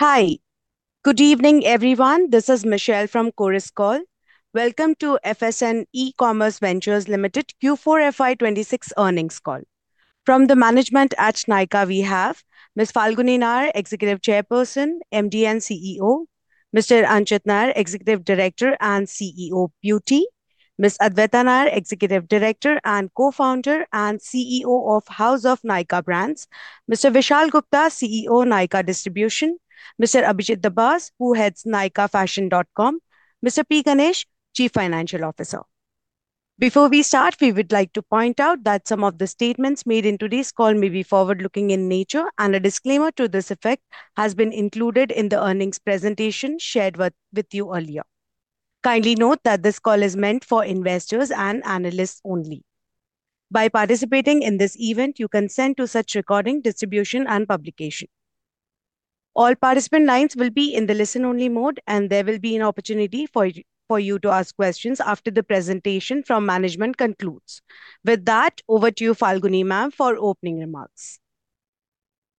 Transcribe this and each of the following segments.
Hi. Good evening, everyone. This is Michelle from Chorus Call. Welcome to FSN E-Commerce Ventures Limited Q4 FY 2026 earnings call. From the management at Nykaa, we have Ms. Falguni Nayar, Executive Chairperson, MD, and CEO; Mr. Anchit Nayar, Executive Director and CEO, Beauty; Ms. Adwaita Nayar, Executive Director and Co-founder and CEO of House of Nykaa Brands; Mr. Vishal Gupta, CEO, Nykaa Distribution; Mr. Abhijit Dabas, who heads nykaafashion.com; Mr. P Ganesh, Chief Financial Officer. Before we start, we would like to point out that some of the statements made in today's call may be forward-looking in nature, and a disclaimer to this effect has been included in the earnings presentation shared with you earlier. Kindly note that this call is meant for investors and analysts only. By participating in this event, you consent to such recording, distribution, and publication. All participant lines will be in the listen-only mode, and there will be an opportunity for you to ask questions after the presentation from management concludes. With that, over to you, Falguni ma'am, for opening remarks.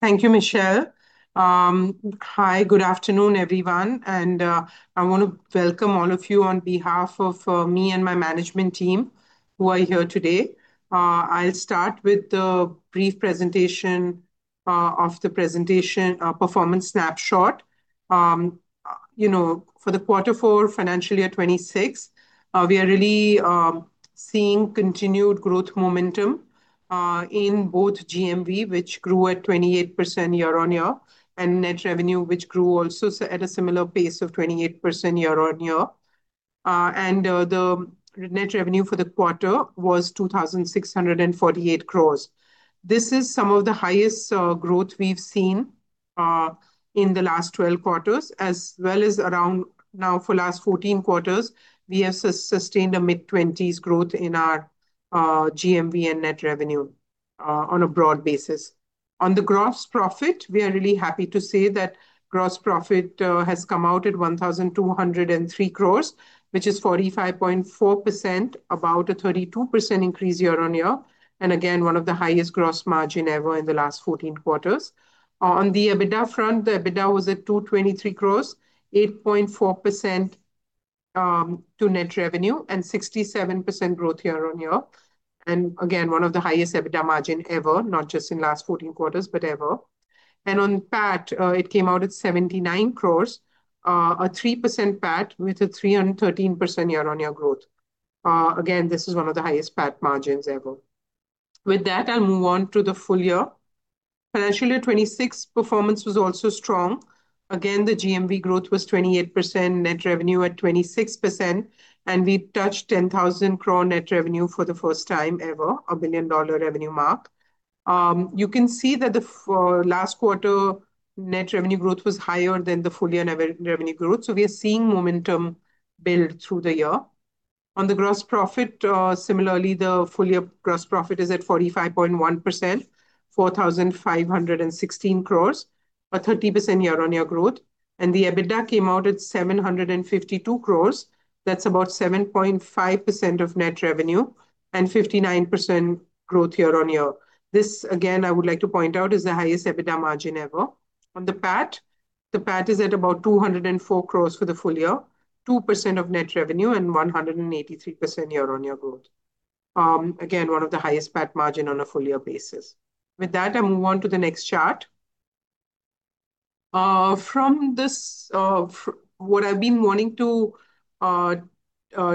Thank you, Michelle. Hi. Good afternoon, everyone. I want to welcome all of you on behalf of me and my management team who are here today. I'll start with the brief presentation of the presentation performance snapshot. For the quarter four FY 2026, we are really seeing continued growth momentum in both GMV, which grew at 28% year-on-year, and net revenue, which grew also at a similar pace of 28% year-on-year. The net revenue for the quarter was 2,648 crores. This is some of the highest growth we've seen in the last 12 quarters as well as around now for the last 14 quarters, we have sustained a mid-20s growth in our GMV and net revenue on a broad basis. On the gross profit, we are really happy to say that gross profit has come out at 1,203 crores, which is 45.4%, about a 32% increase year-on-year. Again, one of the highest gross margin ever in the last 14 quarters. On the EBITDA front, the EBITDA was at 223 crore, 8.4% to net revenue, and 67% growth year-on-year. Again, one of the highest EBITDA margin ever, not just in the last 14 quarters, but ever. On PAT, it came out at 79 crore, a 3% PAT with a 313% year-on-year growth. Again, this is one of the highest PAT margins ever. With that, I'll move on to the full year. Financial year 2026 performance was also strong. Again, the GMV growth was 28%, net revenue at 26%, and we touched 10,000 crore net revenue for the first time ever, a billion-dollar revenue mark. You can see that the last quarter net revenue growth was higher than the full year revenue growth. We are seeing momentum build through the year. On the gross profit, similarly, the full-year gross profit is at 45.1%, 4,516 crores, a 30% year-on-year growth. The EBITDA came out at 752 crores. That's about 7.5% of net revenue and 59% growth year-on-year. This, again, I would like to point out, is the highest EBITDA margin ever. On the PAT, the PAT is at about 204 crores for the full year, 2% of net revenue, and 183% year-on-year growth. Again, one of the highest PAT margin on a full year basis. With that, I move on to the next chart. From this, what I've been wanting to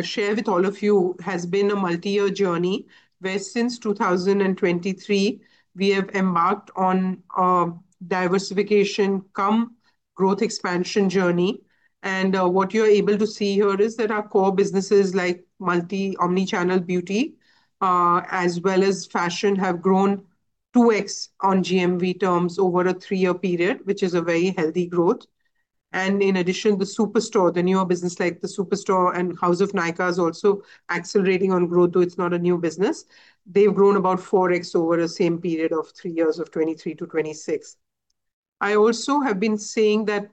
share with all of you has been a multi-year journey where since 2023, we have embarked on a diversification cum growth expansion journey. What you're able to see here is that our core businesses like multi-omnichannel beauty, as well as fashion, have grown 2x on GMV terms over a three-year period, which is a very healthy growth. In addition, the Superstore, the newer business, like the Superstore and House of Nykaa is also accelerating on growth, though it's not a new business. They've grown about 4x over the same period of three years of 2023 to 2026. I also have been saying that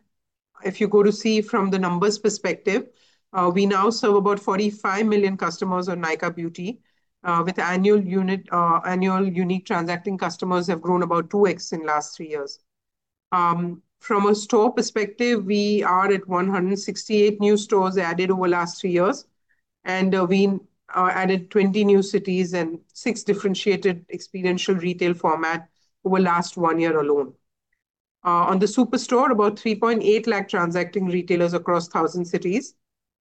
if you go to see from the numbers perspective, we now serve about 45 million customers on Nykaa Beauty, with annual unique transacting customers have grown about 2x in the last three years. From a store perspective, we are at 168 new stores added over last three years, and we added 20 new cities and six differentiated experiential retail format over last one year alone. On the Superstore, about 3.8 lakh transacting retailers across 1,000 cities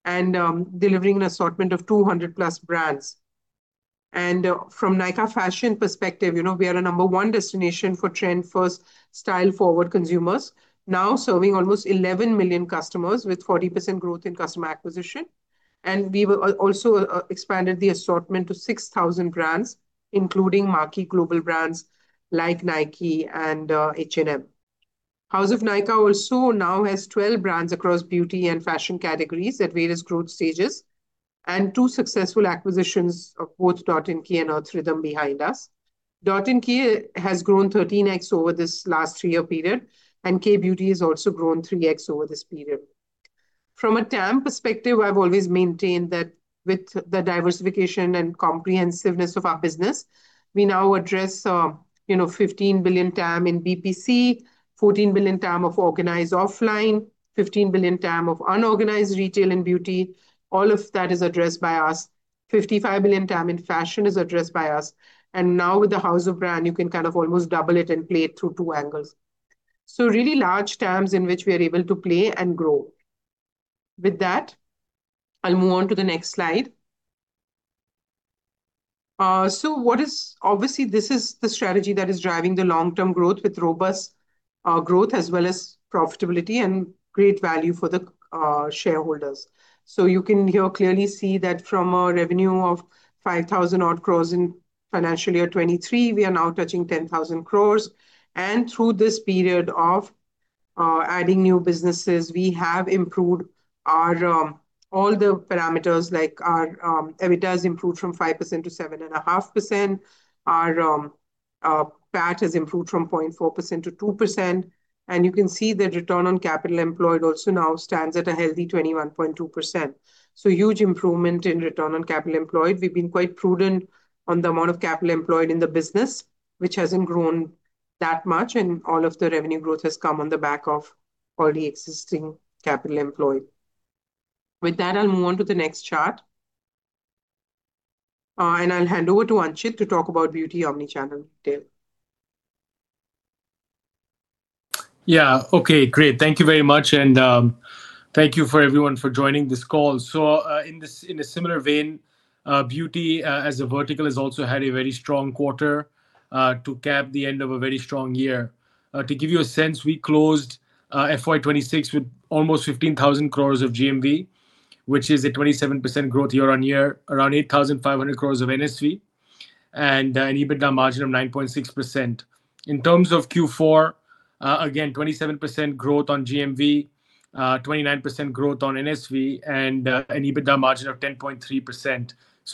and delivering an assortment of 200+ brands. From Nykaa Fashion perspective, we are a number one destination for trend-first, style-forward consumers, now serving almost 11 million customers with 40% growth in customer acquisition. We will also expanded the assortment to 6,000 brands, including marquee global brands like Nike and H&M. House of Nykaa also now has 12 brands across beauty and fashion categories at various growth stages, and two successful acquisitions of both Dot & Key and Earth Rhythm behind us. Dot & Key has grown 13x over this last three-year period, and Kay Beauty has also grown 3x over this period. From a TAM perspective, I've always maintained that with the diversification and comprehensiveness of our business, we now address 15 billion TAM in BPC, 14 billion TAM of organized offline, 15 billion TAM of unorganized retail and beauty. All of that is addressed by us. 55 billion TAM in fashion is addressed by us. Now with the House of Nykaa, you can kind of almost double it and play it through two angles. Really large TAMs in which we are able to play and grow. With that, I'll move on to the next slide. Obviously, this is the strategy that is driving the long-term growth with robust growth, as well as profitability and great value for the shareholders. You can here clearly see that from a revenue of 5,000 odd crores in FY 2023, we are now touching 10,000 crores. Through this period of adding new businesses, we have improved all the parameters, like our EBITDA has improved from 5% to 7.5%. Our PAT has improved from 0.4% to 2%. You can see the return on capital employed also now stands at a healthy 21.2%. Huge improvement in return on capital employed. We've been quite prudent on the amount of capital employed in the business, which hasn't grown that much, and all of the revenue growth has come on the back of already existing capital employed. With that, I'll move on to the next chart. I'll hand over to Anchit to talk about beauty omnichannel retail. Yeah. Okay, great. Thank you very much, and thank you for everyone for joining this call. In a similar vein, Beauty, as a vertical, has also had a very strong quarter to cap the end of a very strong year. To give you a sense, we closed FY 2026 with almost 15,000 crore of GMV, which is a 27% growth year-over-year, around 8,500 crore of NSV, and an EBITDA margin of 9.6%. In terms of Q4, again, 27% growth on GMV, 29% growth on NSV, and an EBITDA margin of 10.3%.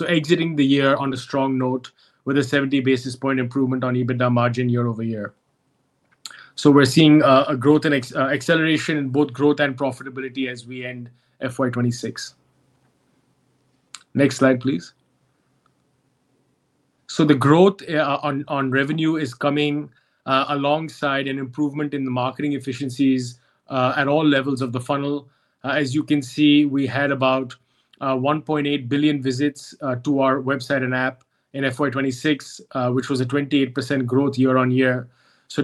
Exiting the year on a strong note with a 70 basis points improvement on EBITDA margin year-over-year. We're seeing acceleration in both growth and profitability as we end FY 2026. Next slide, please. The growth on revenue is coming alongside an improvement in the marketing efficiencies at all levels of the funnel. As you can see, we had about 1.8 billion visits to our website and app in FY 2026, which was a 28% growth year-on-year.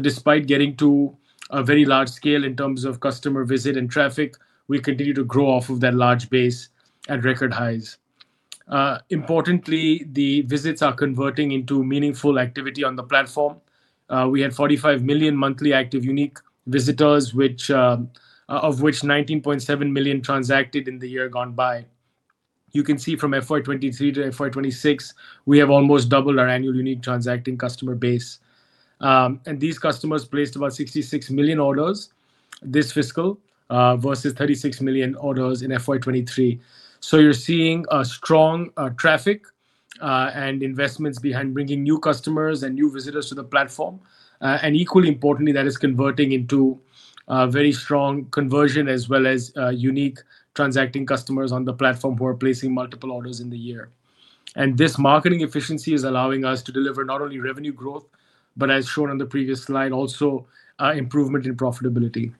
Despite getting to a very large scale in terms of customer visit and traffic, we continue to grow off of that large base at record highs. Importantly, the visits are converting into meaningful activity on the platform. We had 45 million monthly active unique visitors, of which 19.7 million transacted in the year gone by. You can see from FY 2023 to FY 2026, we have almost doubled our annual unique transacting customer base. These customers placed about 66 million orders this fiscal versus 36 million orders in FY 2023. You're seeing a strong traffic and investments behind bringing new customers and new visitors to the platform. Equally importantly, that is converting into a very strong conversion as well as unique transacting customers on the platform who are placing multiple orders in the year. This marketing efficiency is allowing us to deliver not only revenue growth, but as shown on the previous slide, also improvement in profitability.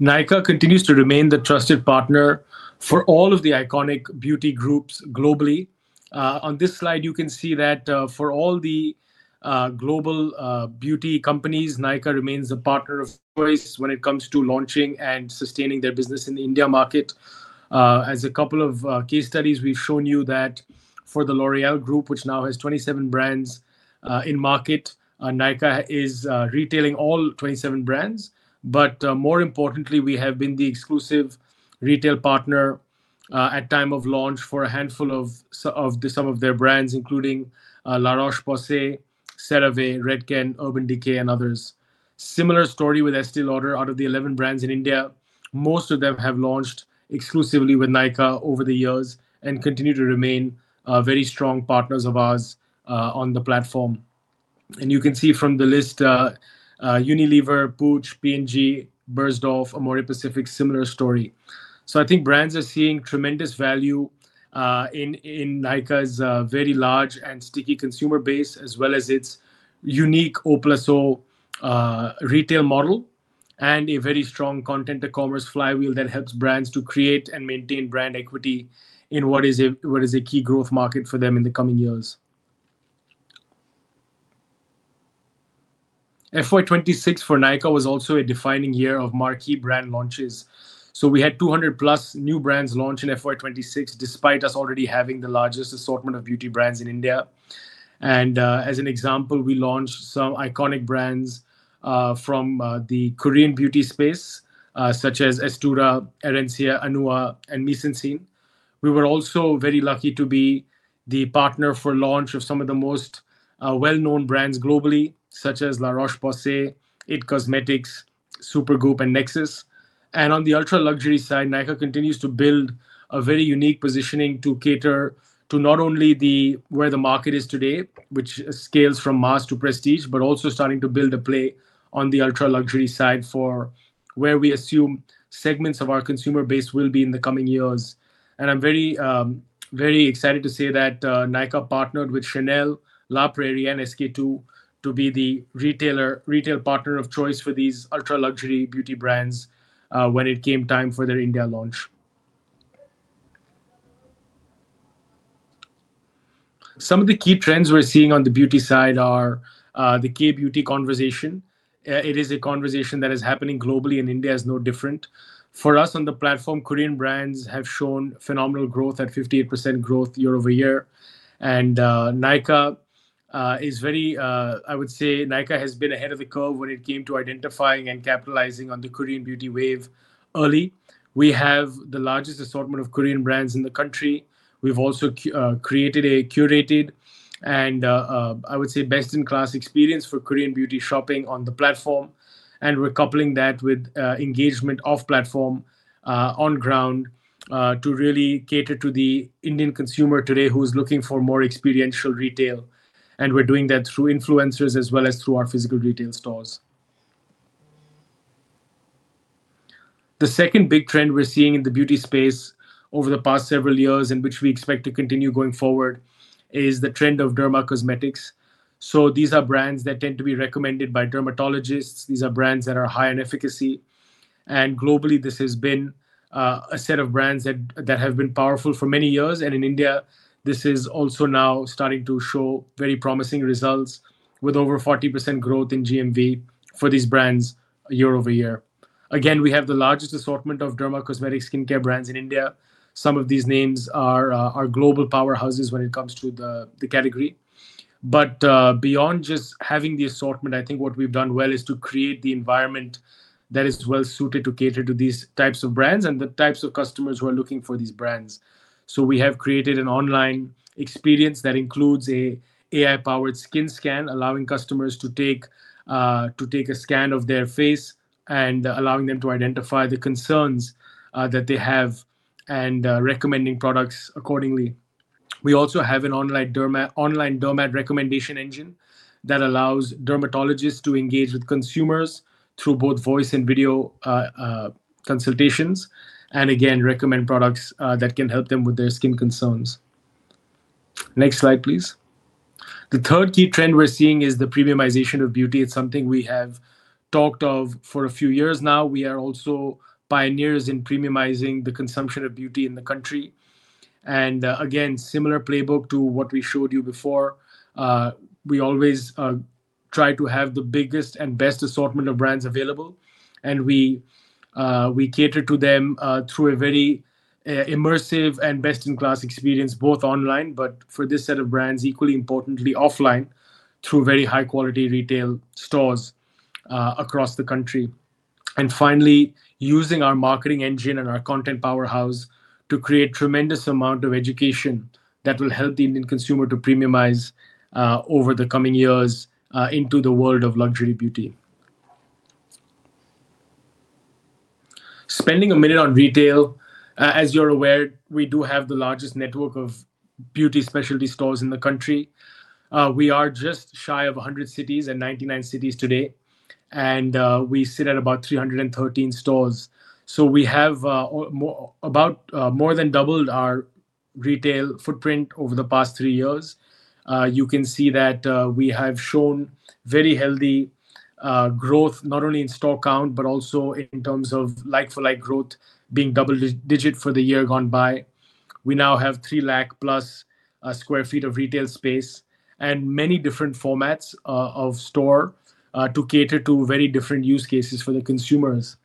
Nykaa continues to remain the trusted partner for all of the iconic beauty groups globally. On this slide, you can see that for all the global beauty companies, Nykaa remains the partner of choice when it comes to launching and sustaining their business in the India market. As a couple of case studies, we've shown you that for the L'Oréal Group, which now has 27 brands in market, Nykaa is retailing all 27 brands. More importantly, we have been the exclusive retail partner at time of launch for a handful of some of their brands, including La Roche-Posay, CeraVe, Redken, Urban Decay, and others. Similar story with Estée Lauder. Out of the 11 brands in India, most of them have launched exclusively with Nykaa over the years and continue to remain very strong partners of ours on the platform. You can see from the list, Unilever, Puig, P&G, Beiersdorf, Amorepacific, similar story. I think brands are seeing tremendous value in Nykaa's very large and sticky consumer base, as well as its unique O+O retail model, and a very strong content e-commerce flywheel that helps brands to create and maintain brand equity in what is a key growth market for them in the coming years. FY 2026 for Nykaa was also a defining year of marquee brand launches. We had 200+ new brands launch in FY 2026, despite us already having the largest assortment of beauty brands in India. As an example, we launched some iconic brands from the Korean beauty space, such as Aestura, Hera, Anua, and Missha. We were also very lucky to be the partner for launch of some of the most well-known brands globally, such as La Roche-Posay, IT Cosmetics, Supergoop!, and Nexxus. On the ultra-luxury side, Nykaa continues to build a very unique positioning to cater to not only where the market is today, which scales from mass to prestige, but also starting to build a play on the ultra-luxury side for where we assume segments of our consumer base will be in the coming years. I'm very excited to say that Nykaa partnered with Chanel, La Prairie, and SK-II to be the retail partner of choice for these ultra-luxury beauty brands when it came time for their India launch. Some of the key trends we're seeing on the beauty side are the K-beauty conversation. It is a conversation that is happening globally, and India is no different. For us on the platform, Korean brands have shown phenomenal growth at 58% growth year-over-year. Nykaa has been ahead of the curve when it came to identifying and capitalizing on the Korean beauty wave early. We have the largest assortment of Korean brands in the country. We've also created a curated, and I would say best-in-class experience for Korean beauty shopping on the platform. We're coupling that with engagement off-platform, on ground, to really cater to the Indian consumer today who is looking for more experiential retail. We're doing that through influencers as well as through our physical retail stores. The second big trend we're seeing in the beauty space over the past several years, and which we expect to continue going forward, is the trend of derma cosmetics. These are brands that tend to be recommended by dermatologists. These are brands that are high in efficacy. Globally, this has been a set of brands that have been powerful for many years. In India, this is also now starting to show very promising results with over 40% growth in GMV for these brands year-over-year. Again, we have the largest assortment of derma cosmetic skincare brands in India. Beyond just having the assortment, I think what we've done well is to create the environment that is well-suited to cater to these types of brands and the types of customers who are looking for these brands. We have created an online experience that includes an AI-powered skin scan, allowing customers to take a scan of their face and allowing them to identify the concerns that they have and recommending products accordingly. We also have an online derma recommendation engine that allows dermatologists to engage with consumers through both voice and video consultations, and again, recommend products that can help them with their skin concerns. Next slide, please. The third key trend we're seeing is the premiumization of beauty. It's something we have talked of for a few years now. We are also pioneers in premiumizing the consumption of beauty in the country. Again, similar playbook to what we showed you before. We always try to have the biggest and best assortment of brands available, and we cater to them through a very immersive and best-in-class experience, both online, but for this set of brands, equally importantly, offline, through very high-quality retail stores across the country. Finally, using our marketing engine and our content powerhouse to create tremendous amount of education that will help the Indian consumer to premiumize over the coming years into the world of luxury beauty. Spending a minute on retail, as you're aware, we do have the largest network of beauty specialty stores in the country. We are just shy of 100 cities and 99 cities today. We sit at about 313 stores. We have more than doubled our retail footprint over the past three years. You can see that we have shown very healthy growth, not only in store count, but also in terms of like-for-like growth being double-digit for the year gone by. We now have 3+ lakh sq ft of retail space and many different formats of store to cater to very different use cases for the consumers.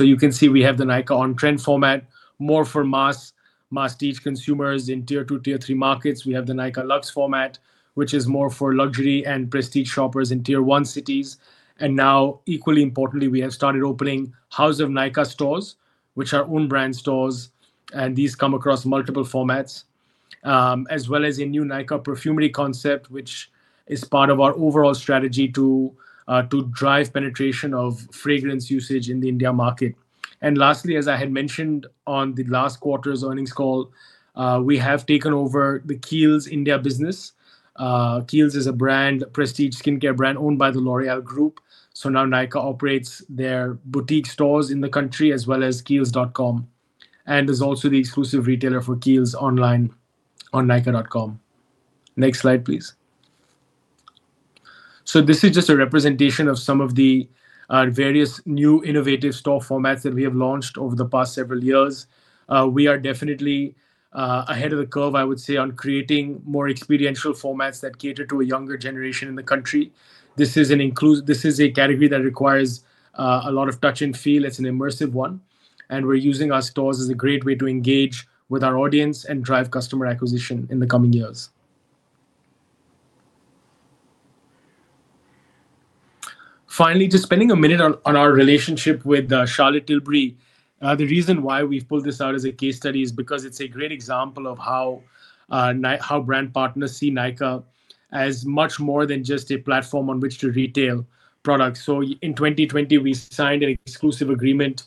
You can see we have the Nykaa On Trend format, more for mass, prestige consumers in tier two, tier three markets. We have the Nykaa Luxe format, which is more for luxury and prestige shoppers in tier one cities. Now, equally importantly, we have started opening House of Nykaa stores, which are own brand stores. These come across multiple formats, as well as a new Nykaa Perfumery concept, which is part of our overall strategy to drive penetration of fragrance usage in the India market. Lastly, as I had mentioned on the last quarter's earnings call, we have taken over the Kiehl's India business. Kiehl's is a prestige skincare brand owned by the L'Oréal Group. Now Nykaa operates their boutique stores in the country, as well as kiehls.com, and is also the exclusive retailer for Kiehl's online on nykaa.com. Next slide, please. This is just a representation of some of the various new innovative store formats that we have launched over the past several years. We are definitely ahead of the curve, I would say, on creating more experiential formats that cater to a younger generation in the country. This is a category that requires a lot of touch and feel. It's an immersive one. We're using our stores as a great way to engage with our audience and drive customer acquisition in the coming years. Finally, just spending a minute on our relationship with Charlotte Tilbury. The reason why we've pulled this out as a case study is because it's a great example of how brand partners see Nykaa as much more than just a platform on which to retail products. In 2020, we signed an exclusive agreement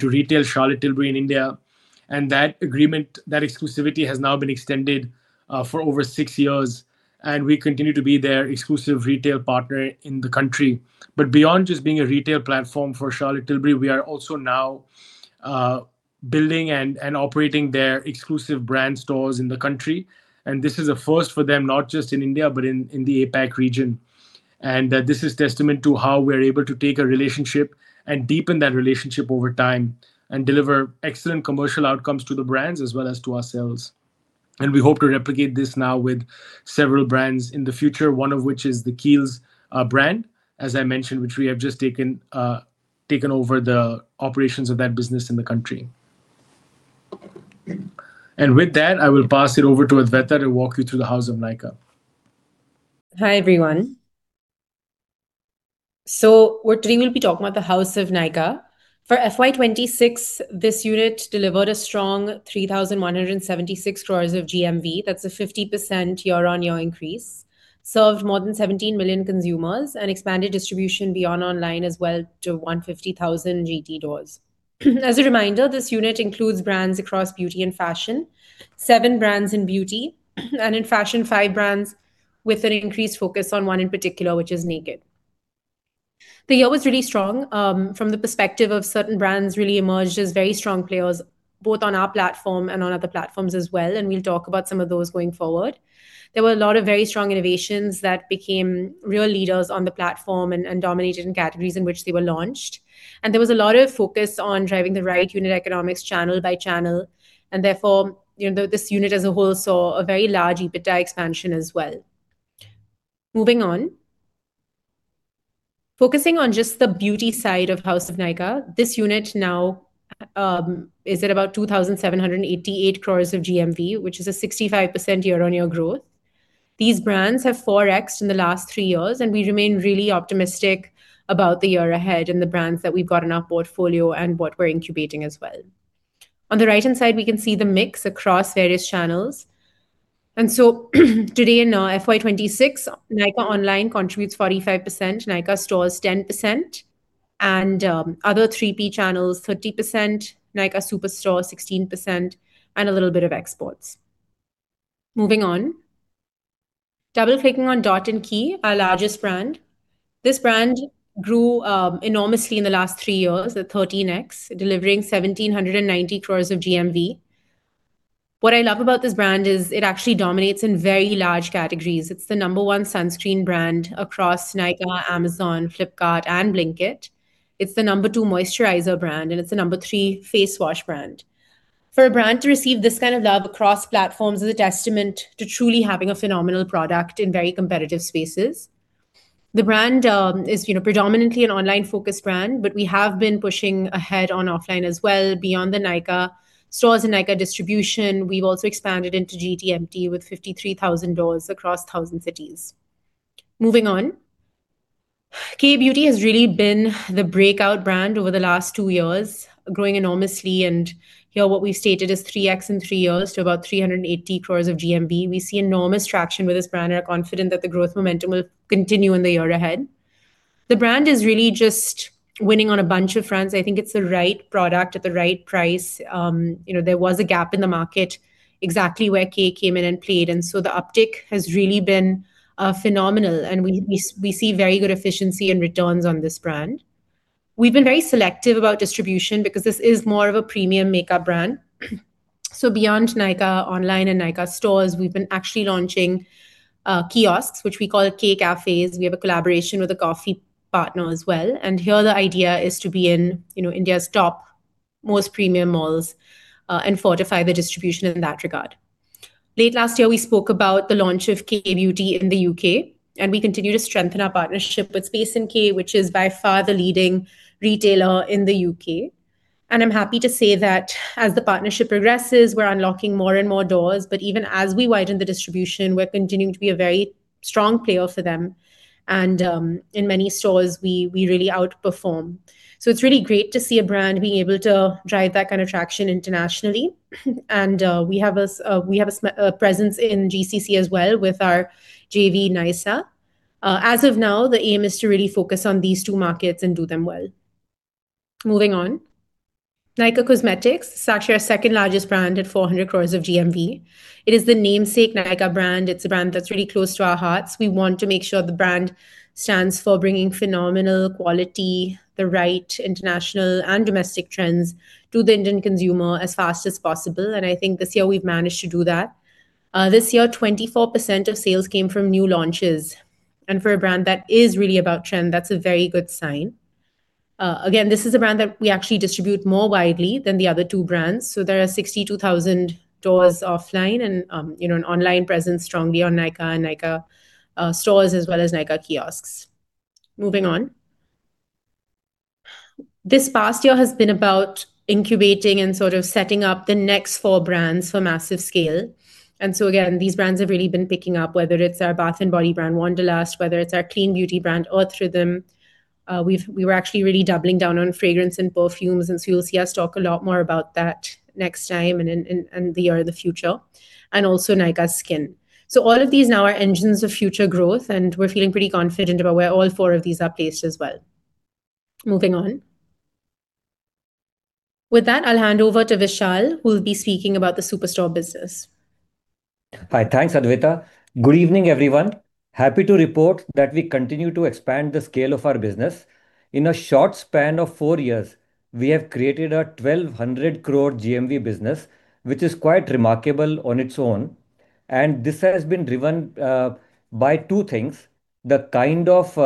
to retail Charlotte Tilbury in India, and that exclusivity has now been extended for over six years, and we continue to be their exclusive retail partner in the country. Beyond just being a retail platform for Charlotte Tilbury, we are also now building and operating their exclusive brand stores in the country. This is a first for them, not just in India, but in the APAC region. This is testament to how we're able to take a relationship and deepen that relationship over time and deliver excellent commercial outcomes to the brands as well as to ourselves. We hope to replicate this now with several brands in the future, one of which is the Kiehl's brand, as I mentioned, which we have just taken over the operations of that business in the country. With that, I will pass it over to Adwaita to walk you through the House of Nykaa. Hi, everyone. Today we'll be talking about the House of Nykaa. For FY 2026, this unit delivered a strong 3,176 crores of GMV, that's a 50% year-on-year increase, served more than 17 million consumers, and expanded distribution beyond online as well to 150,000 GT doors. As a reminder, this unit includes brands across beauty and fashion, seven brands in beauty and in fashion, five brands with an increased focus on one in particular, which is Nykd. The year was really strong from the perspective of certain brands really emerged as very strong players, both on our platform and on other platforms as well, and we'll talk about some of those going forward. There were a lot of very strong innovations that became real leaders on the platform and dominated in categories in which they were launched. There was a lot of focus on driving the right unit economics channel by channel, and therefore, this unit as a whole saw a very large EBITDA expansion as well. Moving on. Focusing on just the beauty side of House of Nykaa, this unit now is at about 2,788 crores of GMV, which is a 65% year-on-year growth. These brands have 4x'd in the last three years, and we remain really optimistic about the year ahead and the brands that we've got in our portfolio and what we're incubating as well. On the right-hand side, we can see the mix across various channels. So today in FY 2026, Nykaa online contributes 45%, Nykaa stores 10%, and other 3P channels 30%, Nykaa superstore 16%, and a little bit of exports. Moving on. Double-clicking on Dot & Key, our largest brand. This brand grew enormously in the last three years at 13x, delivering 1,790 crores of GMV. What I love about this brand is it actually dominates in very large categories. It's the number one sunscreen brand across Nykaa, Amazon, Flipkart, and Blinkit. It's the number two moisturizer brand, and it's the number three face wash brand. For a brand to receive this kind of love across platforms is a testament to truly having a phenomenal product in very competitive spaces. The brand is predominantly an online-focused brand, but we have been pushing ahead on offline as well. Beyond the Nykaa stores and Nykaa Distribution, we've also expanded into GTMT with 53,000 doors across 1,000 cities. Moving on. Kay Beauty has really been the breakout brand over the last 2 years, growing enormously, and here what we've stated is 3x in 3 years to about 380 crores of GMV. We see enormous traction with this brand and are confident that the growth momentum will continue in the year ahead. The brand is really just winning on a bunch of fronts. I think it's the right product at the right price. There was a gap in the market exactly where Kay came in and played. The uptick has really been phenomenal, and we see very good efficiency and returns on this brand. We've been very selective about distribution because this is more of a premium makeup brand. Beyond Nykaa online and Nykaa stores, we've been actually launching kiosks, which we call Kay Kafé. We have a collaboration with a coffee partner as well, and here the idea is to be in India's top most premium malls and fortify the distribution in that regard. Late last year, we spoke about the launch of Kay Beauty in the U.K., and we continue to strengthen our partnership with Space NK, which is by far the leading retailer in the U.K. I'm happy to say that as the partnership progresses, we're unlocking more and more doors, but even as we widen the distribution, we're continuing to be a very strong player for them. In many stores, we really outperform. It's really great to see a brand being able to drive that kind of traction internationally. We have a presence in GCC as well with our JV, Nysaa. As of now, the aim is to really focus on these two markets and do them well. Moving on. Nykaa Cosmetics is actually our second-largest brand at 400 crore of GMV. It is the namesake Nykaa brand. It's a brand that's really close to our hearts. We want to make sure the brand stands for bringing phenomenal quality, the right international and domestic trends to the Indian consumer as fast as possible. I think this year we've managed to do that. This year, 24% of sales came from new launches. For a brand that is really about trend, that's a very good sign. Again, this is a brand that we actually distribute more widely than the other two brands. There are 62,000 doors offline and an online presence strongly on Nykaa and Nykaa stores, as well as Nykaa kiosks. Moving on. This past year has been about incubating and sort of setting up the next four brands for massive scale. Again, these brands have really been picking up, whether it's our bath and body brand, Wanderlust, whether it's our clean beauty brand, Earth Rhythm. We were actually really doubling down on fragrance and perfumes, and so you'll see us talk a lot more about that next time and in the year of the future. Also Nykaa Skin. All of these now are engines of future growth, and we're feeling pretty confident about where all four of these are placed as well. Moving on. With that, I'll hand over to Vishal, who will be speaking about the Superstore business. Hi. Thanks, Adwaita. Good evening, everyone. Happy to report that we continue to expand the scale of our business. In a short span of four years, we have created an 1,200 crore GMV business, which is quite remarkable on its own. This has been driven by two things, the kind of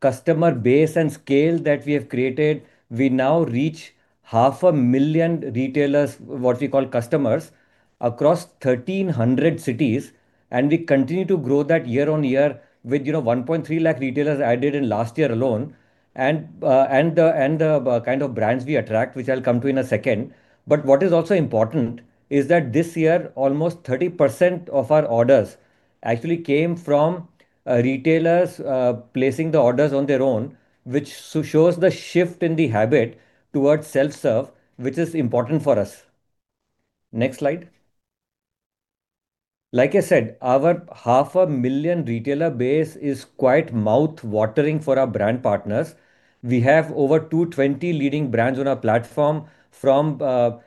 customer base and scale that we have created. We now reach 500,000 retailers, what we call customers, across 1,300 cities, and we continue to grow that year-over-year with 1.3 lakh retailers added in last year alone, and the kind of brands we attract, which I'll come to in a second. What is also important is that this year, almost 30% of our orders actually came from retailers placing the orders on their own, which shows the shift in the habit towards self-serve, which is important for us. Next slide. Like I said, our 500,000 retailer base is quite mouth-watering for our brand partners. We have over 220 leading brands on our platform from the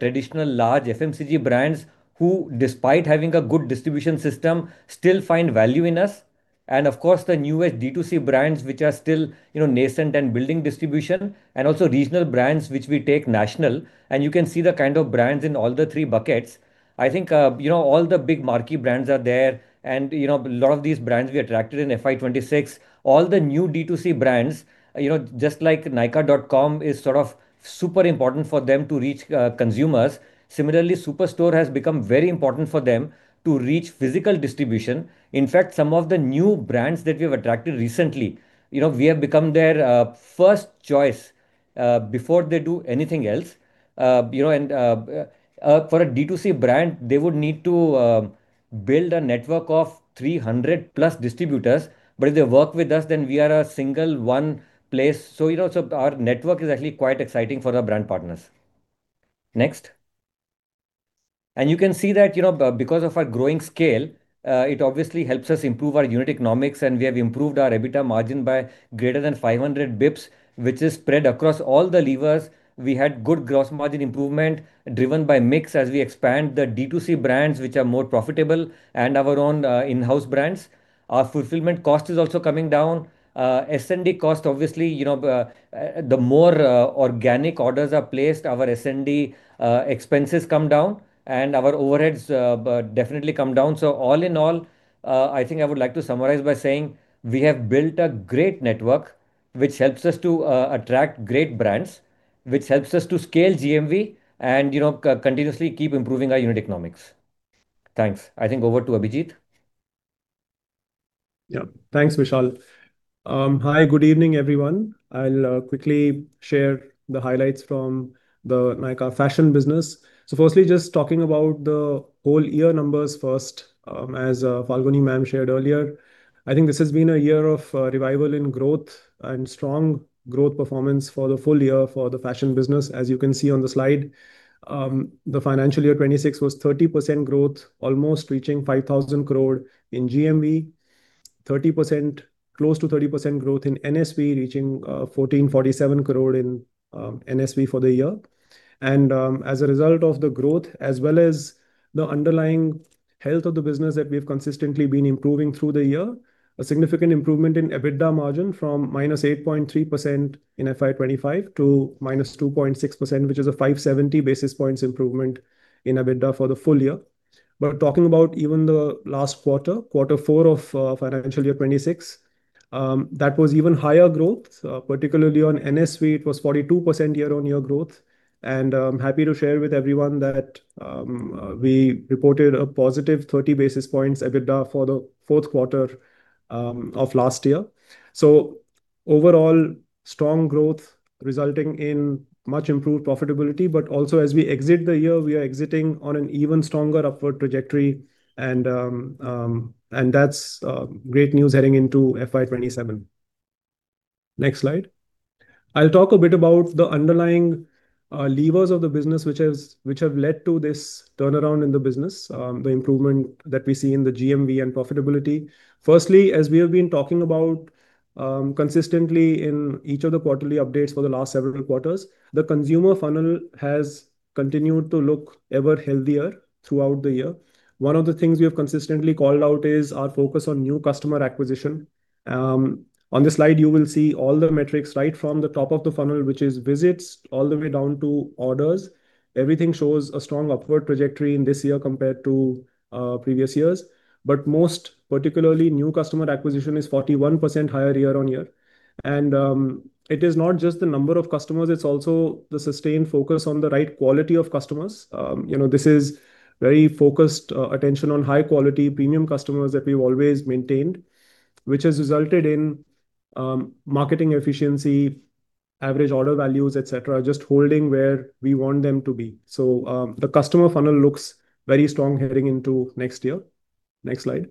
traditional large FMCG brands, who despite having a good distribution system, still find value in us. Of course, the newer D2C brands, which are still nascent and building distribution, and also regional brands, which we take national. You can see the kind of brands in all the three buckets. I think all the big marquee brands are there, and a lot of these brands we attracted in FY 2026. All the new D2C brands, just like nykaa.com is sort of super important for them to reach consumers. Similarly, Superstore has become very important for them to reach physical distribution. In fact, some of the new brands that we've attracted recently, we have become their first choice, before they do anything else. For a D2C brand, they would need to build a network of 300+ distributors. If they work with us, we are a single one place. Our network is actually quite exciting for our brand partners. Next. You can see that, because of our growing scale, it obviously helps us improve our unit economics, and we have improved our EBITDA margin by greater than 500 basis points, which is spread across all the levers. We had good gross margin improvement driven by mix as we expand the D2C brands, which are more profitable, and our own in-house brands. Our fulfillment cost is also coming down. S&D cost, obviously, the more organic orders are placed, our S&D, expenses come down, and our overheads definitely come down. All in all, I think I would like to summarize by saying we have built a great network, which helps us to attract great brands, which helps us to scale GMV and continuously keep improving our unit economics. Thanks. I think over to Abhijit. Thanks, Vishal. Hi, good evening, everyone. I'll quickly share the highlights from the Nykaa Fashion business. Firstly, just talking about the whole year numbers first, as Falguni ma'am shared earlier. I think this has been a year of revival in growth and strong growth performance for the full year for the fashion business, as you can see on the slide. The financial year 2026 was 30% growth, almost reaching 5,000 crore in GMV, close to 30% growth in NSV, reaching 1,447 crore in NSV for the year. As a result of the growth, as well as the underlying health of the business that we've consistently been improving through the year, a significant improvement in EBITDA margin from -8.3% in FY 2025 to -2.6%, which is a 570 basis points improvement in EBITDA for the full year. Talking about even the last quarter four of financial year 2026, that was even higher growth, particularly on NSV. It was 42% year-on-year growth. I'm happy to share with everyone that we reported a +30 basis points EBITDA for the fourth quarter of last year. Overall, strong growth resulting in much improved profitability. Also as we exit the year, we are exiting on an even stronger upward trajectory. That's great news heading into FY 2027. Next slide. I'll talk a bit about the underlying levers of the business, which have led to this turnaround in the business, the improvement that we see in the GMV and profitability. Firstly, as we have been talking about consistently in each of the quarterly updates for the last several quarters, the consumer funnel has continued to look ever healthier throughout the year. One of the things we have consistently called out is our focus on new customer acquisition. On this slide, you will see all the metrics right from the top of the funnel, which is visits, all the way down to orders. Everything shows a strong upward trajectory in this year compared to previous years. Most particularly, new customer acquisition is 41% higher year-on-year. It is not just the number of customers, it is also the sustained focus on the right quality of customers. This is very focused attention on high-quality, premium customers that we have always maintained, which has resulted in marketing efficiency, average order values, et cetera, just holding where we want them to be. The customer funnel looks very strong heading into next year. Next slide.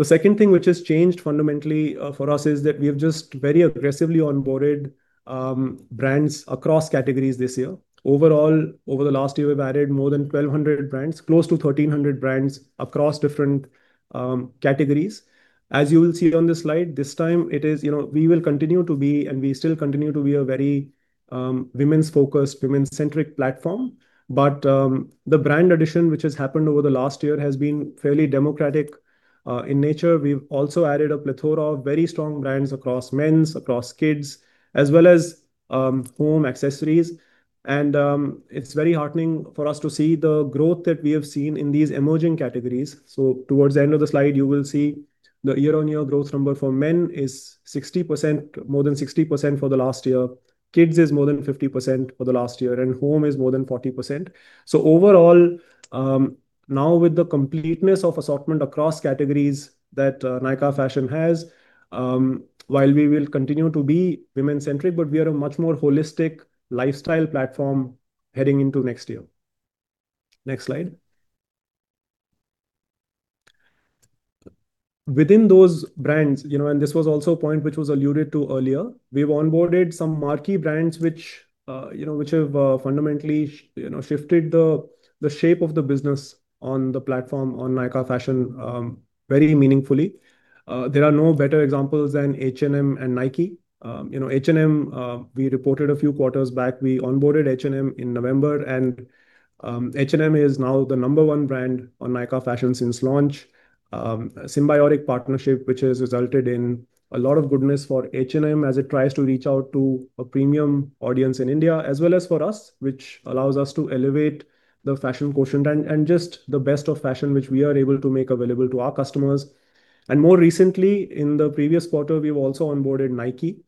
The second thing which has changed fundamentally for us is that we have just very aggressively onboarded brands across categories this year. Overall, over the last year, we've added more than 1,200 brands, close to 1,300 brands, across different categories. As you will see on this slide, this time we will continue to be, and we still continue to be, a very women's focused, women-centric platform. The brand addition, which has happened over the last year, has been fairly democratic in nature. We've also added a plethora of very strong brands across men's, across kids, as well as home accessories. It's very heartening for us to see the growth that we have seen in these emerging categories. Towards the end of the slide, you will see the year-on-year growth number for men is 60%, more than 60% for the last year. Kids is more than 50% for the last year, and home is more than 40%. Overall, now with the completeness of assortment across categories that Nykaa Fashion has, while we will continue to be women-centric, but we are a much more holistic lifestyle platform heading into next year. Next slide. Within those brands, and this was also a point which was alluded to earlier, we've onboarded some marquee brands, which have fundamentally shifted the shape of the business on the platform, on Nykaa Fashion, very meaningfully. There are no better examples than H&M and Nike. H&M, we reported a few quarters back, we onboarded H&M in November, and H&M is now the number one brand on Nykaa Fashion since launch. A symbiotic partnership, which has resulted in a lot of goodness for H&M as it tries to reach out to a premium audience in India, as well as for us, which allows us to elevate the fashion quotient and just the best of fashion, which we are able to make available to our customers. More recently, in the previous quarter, we've also onboarded Nike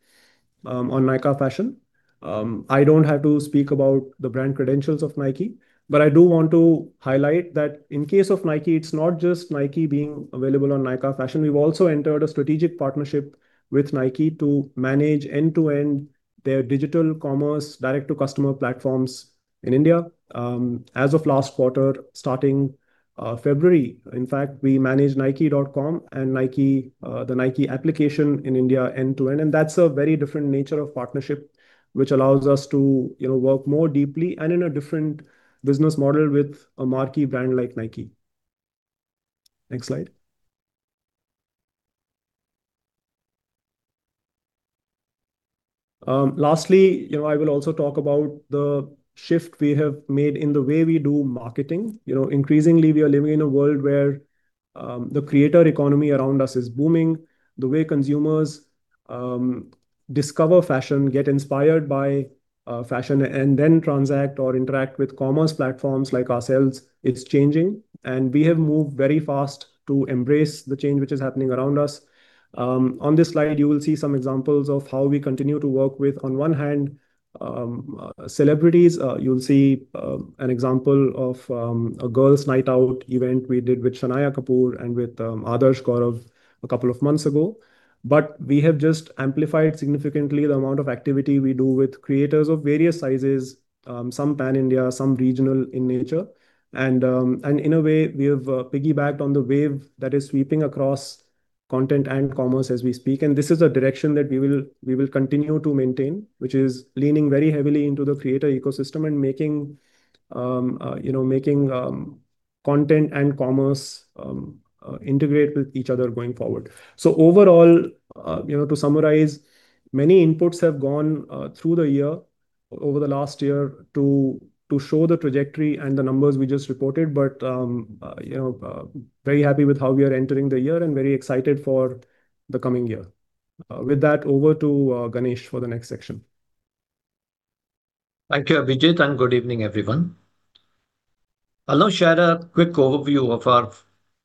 on Nykaa Fashion. I don't have to speak about the brand credentials of Nike, but I do want to highlight that in case of Nike, it's not just Nike being available on Nykaa Fashion. We've also entered a strategic partnership with Nike to manage end-to-end their digital commerce direct-to-customer platforms in India. As of last quarter, starting February, in fact, we manage nike.com and the Nike application in India end to end. That's a very different nature of partnership, which allows us to work more deeply and in a different business model with a marquee brand like Nike. Next slide. Lastly, I will also talk about the shift we have made in the way we do marketing. Increasingly, we are living in a world where the creator economy around us is booming. The way consumers discover fashion, get inspired by fashion, and then transact or interact with commerce platforms like ourselves, it's changing, and we have moved very fast to embrace the change which is happening around us. On this slide, you will see some examples of how we continue to work with, on one hand, celebrities. You'll see an example of a girls' night out event we did with Shanaya Kapoor and with Adarsh Gourav a couple of months ago. We have just amplified significantly the amount of activity we do with creators of various sizes, some Pan-India, some regional in nature. In a way, we have piggybacked on the wave that is sweeping across content and commerce as we speak. This is a direction that we will continue to maintain, which is leaning very heavily into the creator ecosystem and making content and commerce integrate with each other going forward. Overall, to summarize, many inputs have gone through the year, over the last year, to show the trajectory and the numbers we just reported. Very happy with how we are entering the year and very excited for the coming year. With that, over to Ganesh for the next section. Thank you, Abhijit, and good evening, everyone. I'll now share a quick overview of our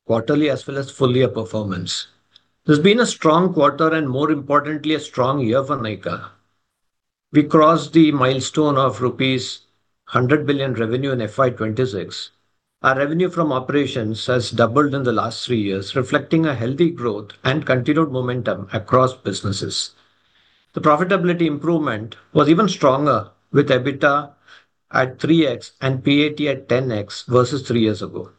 quarterly as well as full year performance. There's been a strong quarter, and more importantly, a strong year for Nykaa. We crossed the milestone of rupees 100 billion revenue in FY 2026. Our revenue from operations has doubled in the last three years, reflecting a healthy growth and continued momentum across businesses. The profitability improvement was even stronger with EBITDA at 3x and PAT at 10x versus three years ago.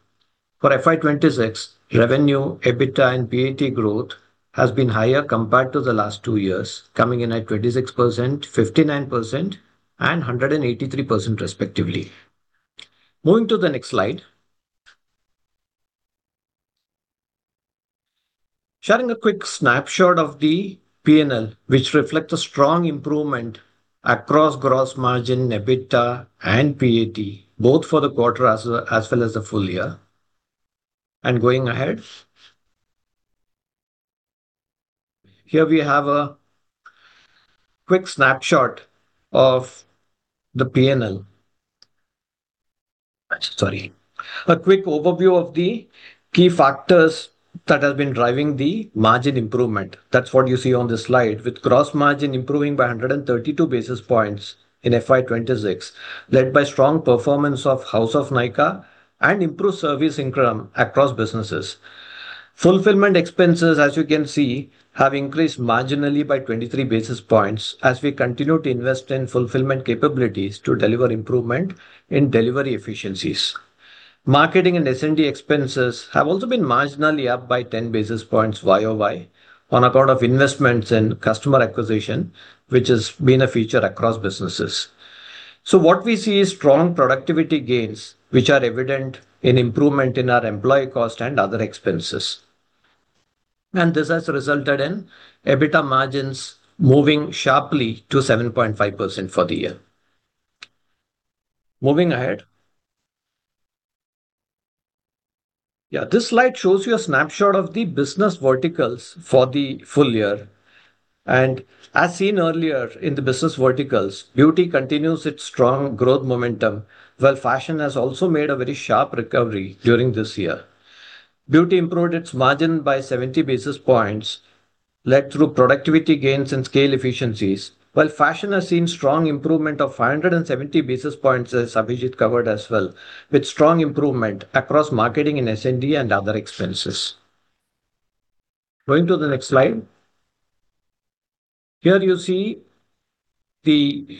For FY 2026, revenue, EBITDA, and PAT growth has been higher compared to the last two years, coming in at 26%, 59%, and 183%, respectively. Moving to the next slide. Sharing a quick snapshot of the P&L, which reflects a strong improvement across gross margin, EBITDA, and PAT, both for the quarter as well as the full year. Going ahead. Here we have a quick snapshot of the P&L. A quick overview of the key factors that have been driving the margin improvement. That's what you see on this slide. With gross margin improving by 132 basis points in FY 2026, led by strong performance of House of Nykaa and improved service income across businesses. Fulfillment expenses, as you can see, have increased marginally by 23 basis points as we continue to invest in fulfillment capabilities to deliver improvement in delivery efficiencies. Marketing and S&D expenses have also been marginally up by 10 basis points YoY on account of investments in customer acquisition, which has been a feature across businesses. What we see is strong productivity gains, which are evident in improvement in our employee cost and other expenses. This has resulted in EBITDA margins moving sharply to 7.5% for the year. Moving ahead. This slide shows you a snapshot of the business verticals for the full year. As seen earlier in the business verticals, beauty continues its strong growth momentum, while fashion has also made a very sharp recovery during this year. Beauty improved its margin by 70 basis points, led through productivity gains and scale efficiencies, while fashion has seen strong improvement of 170 basis points, as Abhijit covered as well, with strong improvement across marketing and S&D and other expenses. Going to the next slide. Here you see the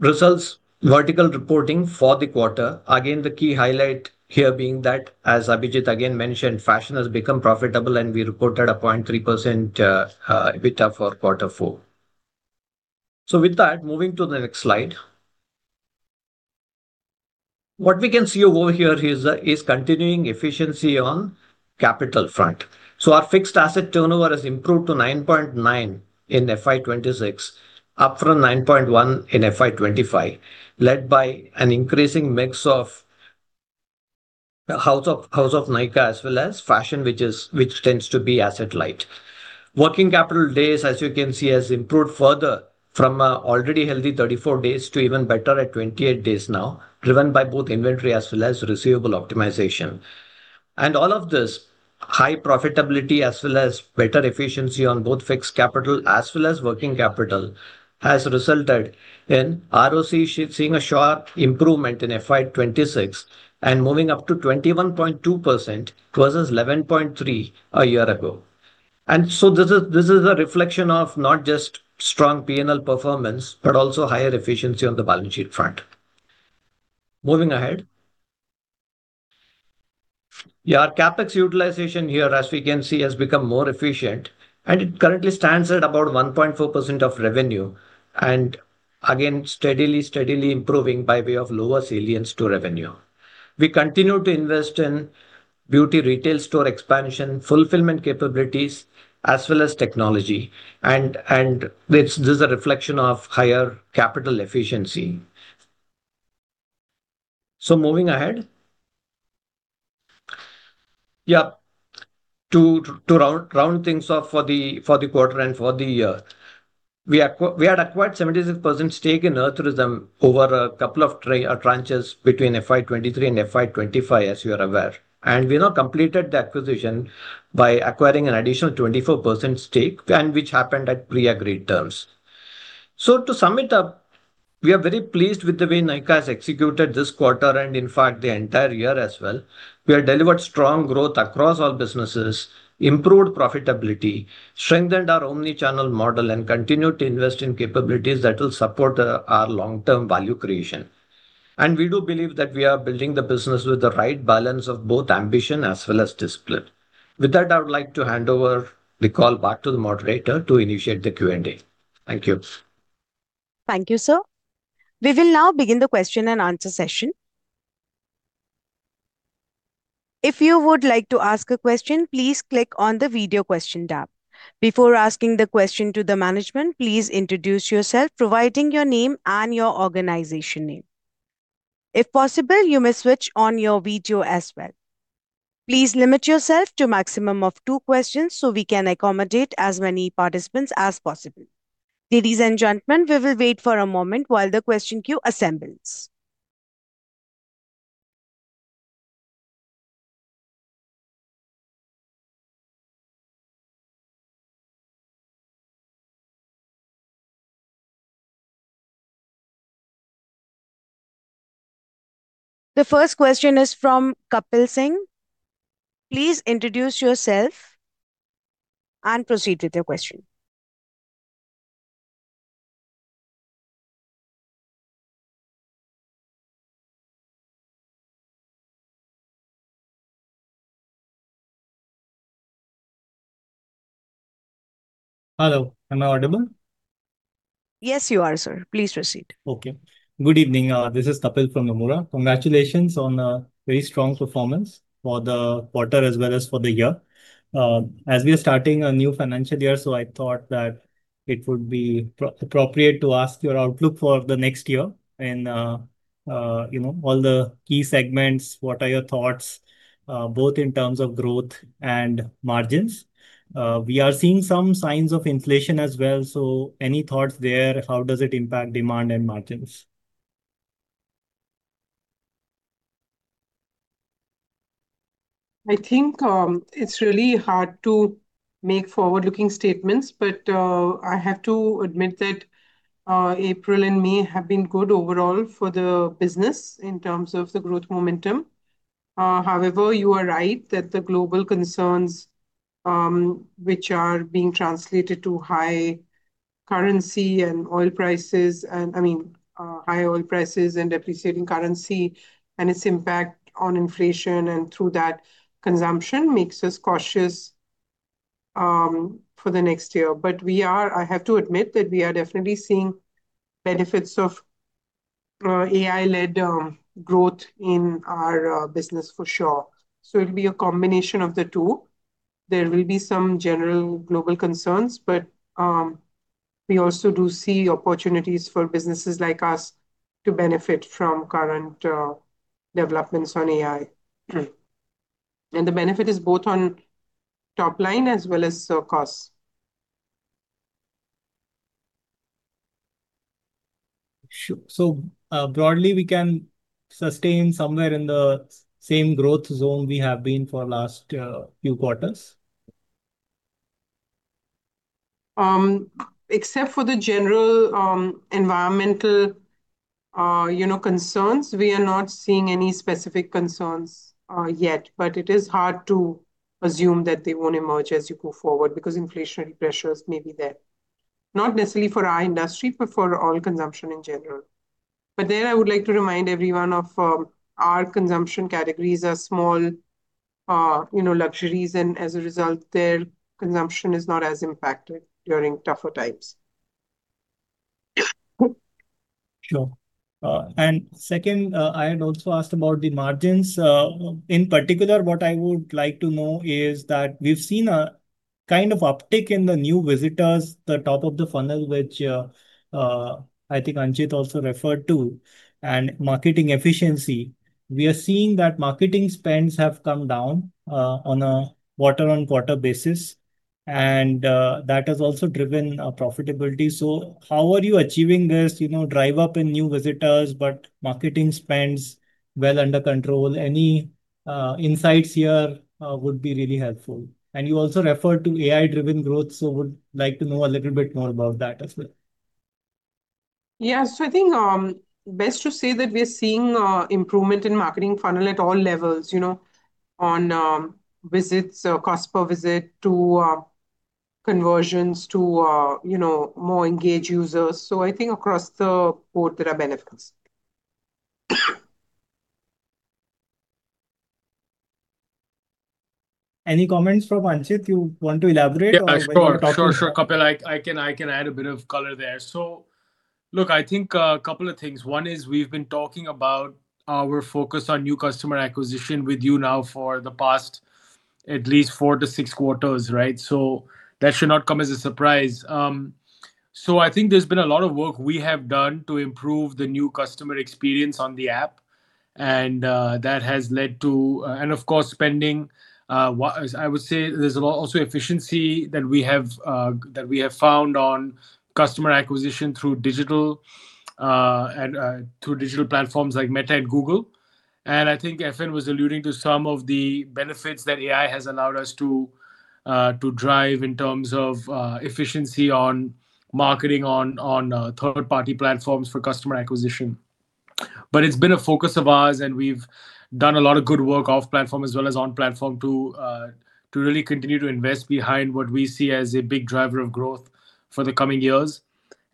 results vertical reporting for the quarter. Again, the key highlight here being that, as Abhijit again mentioned, fashion has become profitable, and we reported a 0.3% EBITDA for Q4. With that, moving to the next slide. What we can see over here is continuing efficiency on capital front. Our fixed asset turnover has improved to 9.9 in FY 2026, up from 9.1 in FY 2025, led by an increasing mix of House of Nykaa as well as fashion, which tends to be asset light. Working capital days, as you can see, has improved further from a already healthy 34 days to even better at 28 days now, driven by both inventory as well as receivable optimization. All of this high profitability as well as better efficiency on both fixed capital as well as working capital has resulted in ROC seeing a sharp improvement in FY 2026 and moving up to 21.2% versus 11.3% a year ago. This is a reflection of not just strong P&L performance, but also higher efficiency on the balance sheet front. Moving ahead. Our CapEx utilization here, as we can see, has become more efficient, and it currently stands at about 1.4% of revenue, and again, steadily improving by way of lower sell-ins to revenue. We continue to invest in beauty retail store expansion, fulfillment capabilities, as well as technology. This is a reflection of higher capital efficiency. Moving ahead. To round things off for the quarter and for the year. We had acquired 76% stake in Earth Rhythm over a couple of tranches between FY 2023 and FY 2025, as you are aware. We now completed the acquisition by acquiring an additional 24% stake and which happened at pre-agreed terms. To sum it up, we are very pleased with the way Nykaa has executed this quarter and in fact, the entire year as well. We have delivered strong growth across all businesses, improved profitability, strengthened our omni-channel model, and continued to invest in capabilities that will support our long-term value creation. We do believe that we are building the business with the right balance of both ambition as well as discipline. With that, I would like to hand over the call back to the moderator to initiate the Q&A. Thank you. Thank you, sir. We will now begin the question and answer session. If you would like to ask a question, please click on the video question tab. Before asking the question to the management, please introduce yourself, providing your name and your organization name. If possible, you may switch on your video as well. Please limit yourself to a maximum of two questions so we can accommodate as many participants as possible. Ladies and gentlemen, we will wait for a moment while the question queue assembles. The first question is from Kapil Singh. Please introduce yourself and proceed with your question. Hello, am I audible? Yes, you are, sir. Please proceed. Okay. Good evening. This is Kapil from Nomura. Congratulations on a very strong performance for the quarter as well as for the year. As we are starting a new financial year, I thought that it would be appropriate to ask your outlook for the next year and, you know, all the key segments, what are your thoughts, both in terms of growth and margins. We are seeing some signs of inflation as well, any thoughts there, how does it impact demand and margins? I think it's really hard to make forward-looking statements. I have to admit that April and May have been good overall for the business in terms of the growth momentum. You are right that the global concerns, which are being translated to high oil prices and depreciating currency and its impact on inflation and through that, consumption, makes us cautious for the next year. I have to admit that we are definitely seeing benefits of AI-led growth in our business for sure. It'll be a combination of the two. There will be some general global concerns, but we also do see opportunities for businesses like us to benefit from current developments on AI. The benefit is both on top line as well as costs. Sure. Broadly, we can sustain somewhere in the same growth zone we have been for last few quarters? Except for the general environmental concerns, we are not seeing any specific concerns yet, it is hard to assume that they won't emerge as you go forward because inflationary pressures may be there. Not necessarily for our industry, for oil consumption in general. There I would like to remind everyone of our consumption categories are small luxuries, and as a result, their consumption is not as impacted during tougher times. Sure. Second, I had also asked about the margins. In particular, what I would like to know is that we've seen a kind of uptick in the new visitors, the top of the funnel, which I think Anchit also referred to, and marketing efficiency. We are seeing that marketing spends have come down on a quarter-on-quarter basis, that has also driven profitability. How are you achieving this drive up in new visitors, but marketing spends well under control? Any insights here would be really helpful. You also referred to AI-driven growth, would like to know a little bit more about that as well. Yeah. I think best to say that we're seeing improvement in marketing funnel at all levels, on visits, cost per visit to conversions, to more engaged users. I think across the board there are benefits. Any comments from Anchit you want to elaborate on? Sure, Kapil. I can add a bit of color there. I think a couple of things. One is, we've been talking about our focus on new customer acquisition with you now for the past at least four to six quarters, right? That should not come as a surprise. I think there's been a lot of work we have done to improve the new customer experience on the app, and of course, spending. I would say there's also efficiency that we have found on customer acquisition through digital platforms like Meta and Google. I think FN was alluding to some of the benefits that AI has allowed us to drive in terms of efficiency on marketing, on third-party platforms for customer acquisition. It's been a focus of ours, we've done a lot of good work off-platform as well as on-platform to really continue to invest behind what we see as a big driver of growth for the coming years.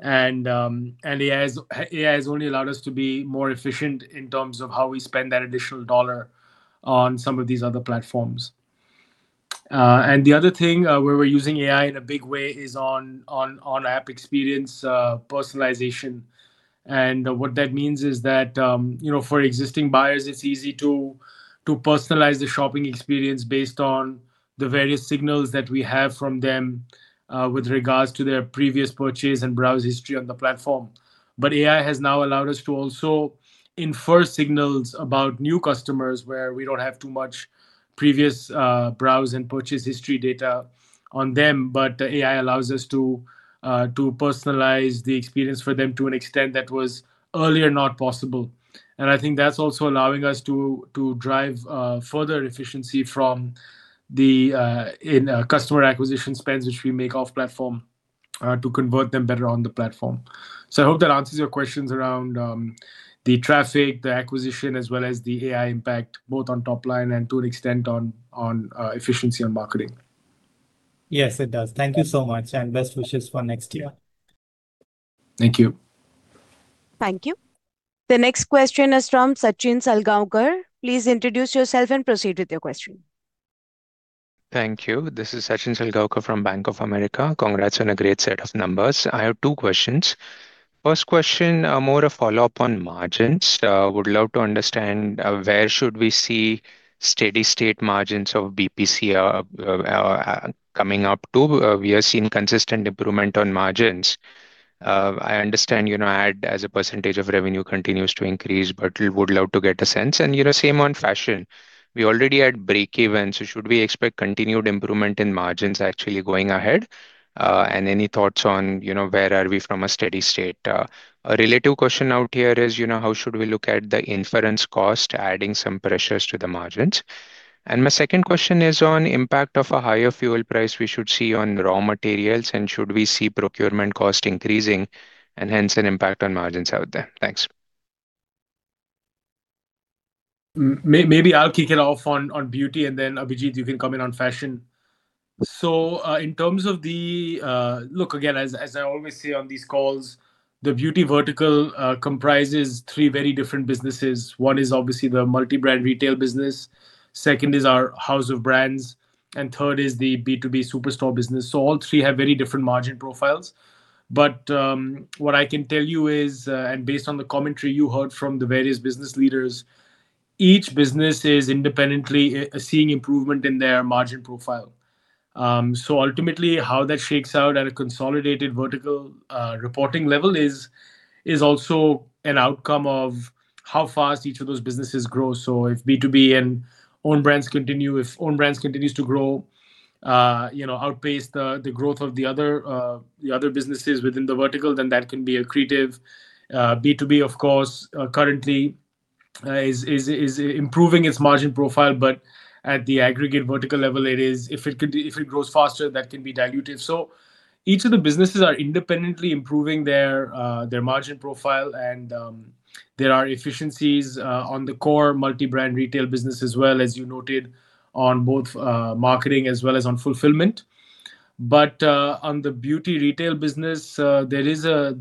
AI has only allowed us to be more efficient in terms of how we spend that additional dollar on some of these other platforms. The other thing where we're using AI in a big way is on app experience personalization. What that means is that for existing buyers, it's easy to personalize the shopping experience based on the various signals that we have from them with regards to their previous purchase and browse history on the platform. AI has now allowed us to also infer signals about new customers where we don't have too much previous browse and purchase history data on them. AI allows us to personalize the experience for them to an extent that was earlier not possible. I think that's also allowing us to drive further efficiency in customer acquisition spends, which we make off-platform, to convert them better on the platform. I hope that answers your questions around the traffic, the acquisition, as well as the AI impact, both on top line and to an extent on efficiency on marketing. Yes, it does. Thank you so much, and best wishes for next year. Thank you. Thank you. The next question is from Sachin Salgaonkar. Please introduce yourself and proceed with your question. Thank you. This is Sachin Salgaonkar from Bank of America. Congrats on a great set of numbers. I have two questions. First question, more a follow-up on margins. Would love to understand where should we see steady state margins of BPC coming up to. We are seeing consistent improvement on margins. I understand, add as a percentage of revenue continues to increase, but would love to get a sense. Same on Fashion. We already had breakeven, so should we expect continued improvement in margins actually going ahead? Any thoughts on where are we from a steady state? A relative question out here is how should we look at the inference cost adding some pressures to the margins? My second question is on impact of a higher fuel price we should see on raw materials, and should we see procurement cost increasing and hence an impact on margins out there? Thanks. Maybe I'll kick it off on beauty and then, Abhijit, you can come in on fashion. Look, again, as I always say on these calls, the beauty vertical comprises three very different businesses. One is obviously the multi-brand retail business, second is our house of brands, and third is the B2B superstore business. All three have very different margin profiles. What I can tell you is, and based on the commentary you heard from the various business leaders, each business is independently seeing improvement in their margin profile. Ultimately, how that shakes out at a consolidated vertical reporting level is also an outcome of how fast each of those businesses grow. If B2B and own brands continues to grow, outpace the growth of the other businesses within the vertical, then that can be accretive. B2B, of course, currently is improving its margin profile. At the aggregate vertical level, if it grows faster, that can be dilutive. Each of the businesses are independently improving their margin profile and there are efficiencies on the core multi-brand retail business as well, as you noted, on both marketing as well as on fulfillment. On the beauty retail business, there is a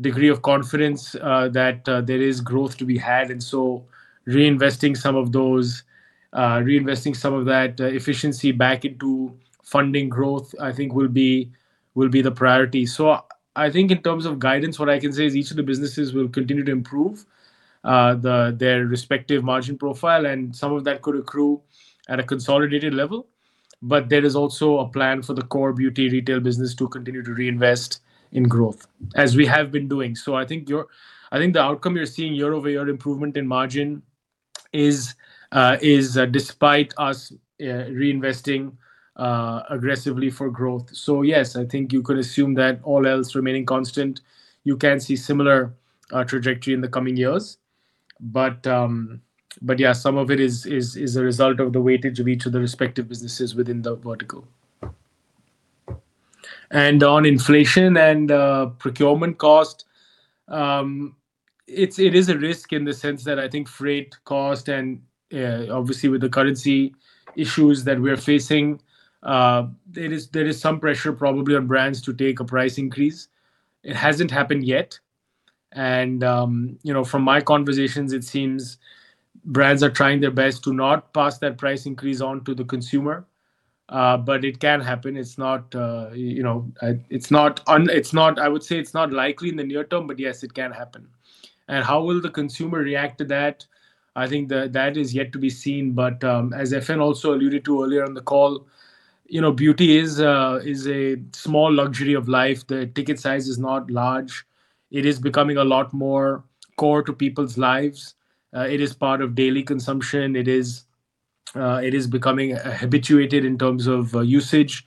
degree of confidence that there is growth to be had. Reinvesting some of that efficiency back into funding growth, I think will be the priority. I think in terms of guidance, what I can say is each of the businesses will continue to improve their respective margin profile, and some of that could accrue at a consolidated level. There is also a plan for the core beauty retail business to continue to reinvest in growth, as we have been doing. I think the outcome you're seeing year-over-year improvement in margin is despite us reinvesting aggressively for growth. Yes, I think you could assume that all else remaining constant, you can see similar trajectory in the coming years. Yeah, some of it is a result of the weightage of each of the respective businesses within the vertical. On inflation and procurement cost, it is a risk in the sense that I think freight cost and obviously with the currency issues that we're facing, there is some pressure probably on brands to take a price increase. It hasn't happened yet, and from my conversations, it seems brands are trying their best to not pass that price increase on to the consumer. It can happen. I would say it's not likely in the near term, but yes, it can happen. How will the consumer react to that? I think that is yet to be seen. As FN also alluded to earlier on the call, beauty is a small luxury of life. The ticket size is not large. It is becoming a lot more core to people's lives. It is part of daily consumption. It is becoming habituated in terms of usage.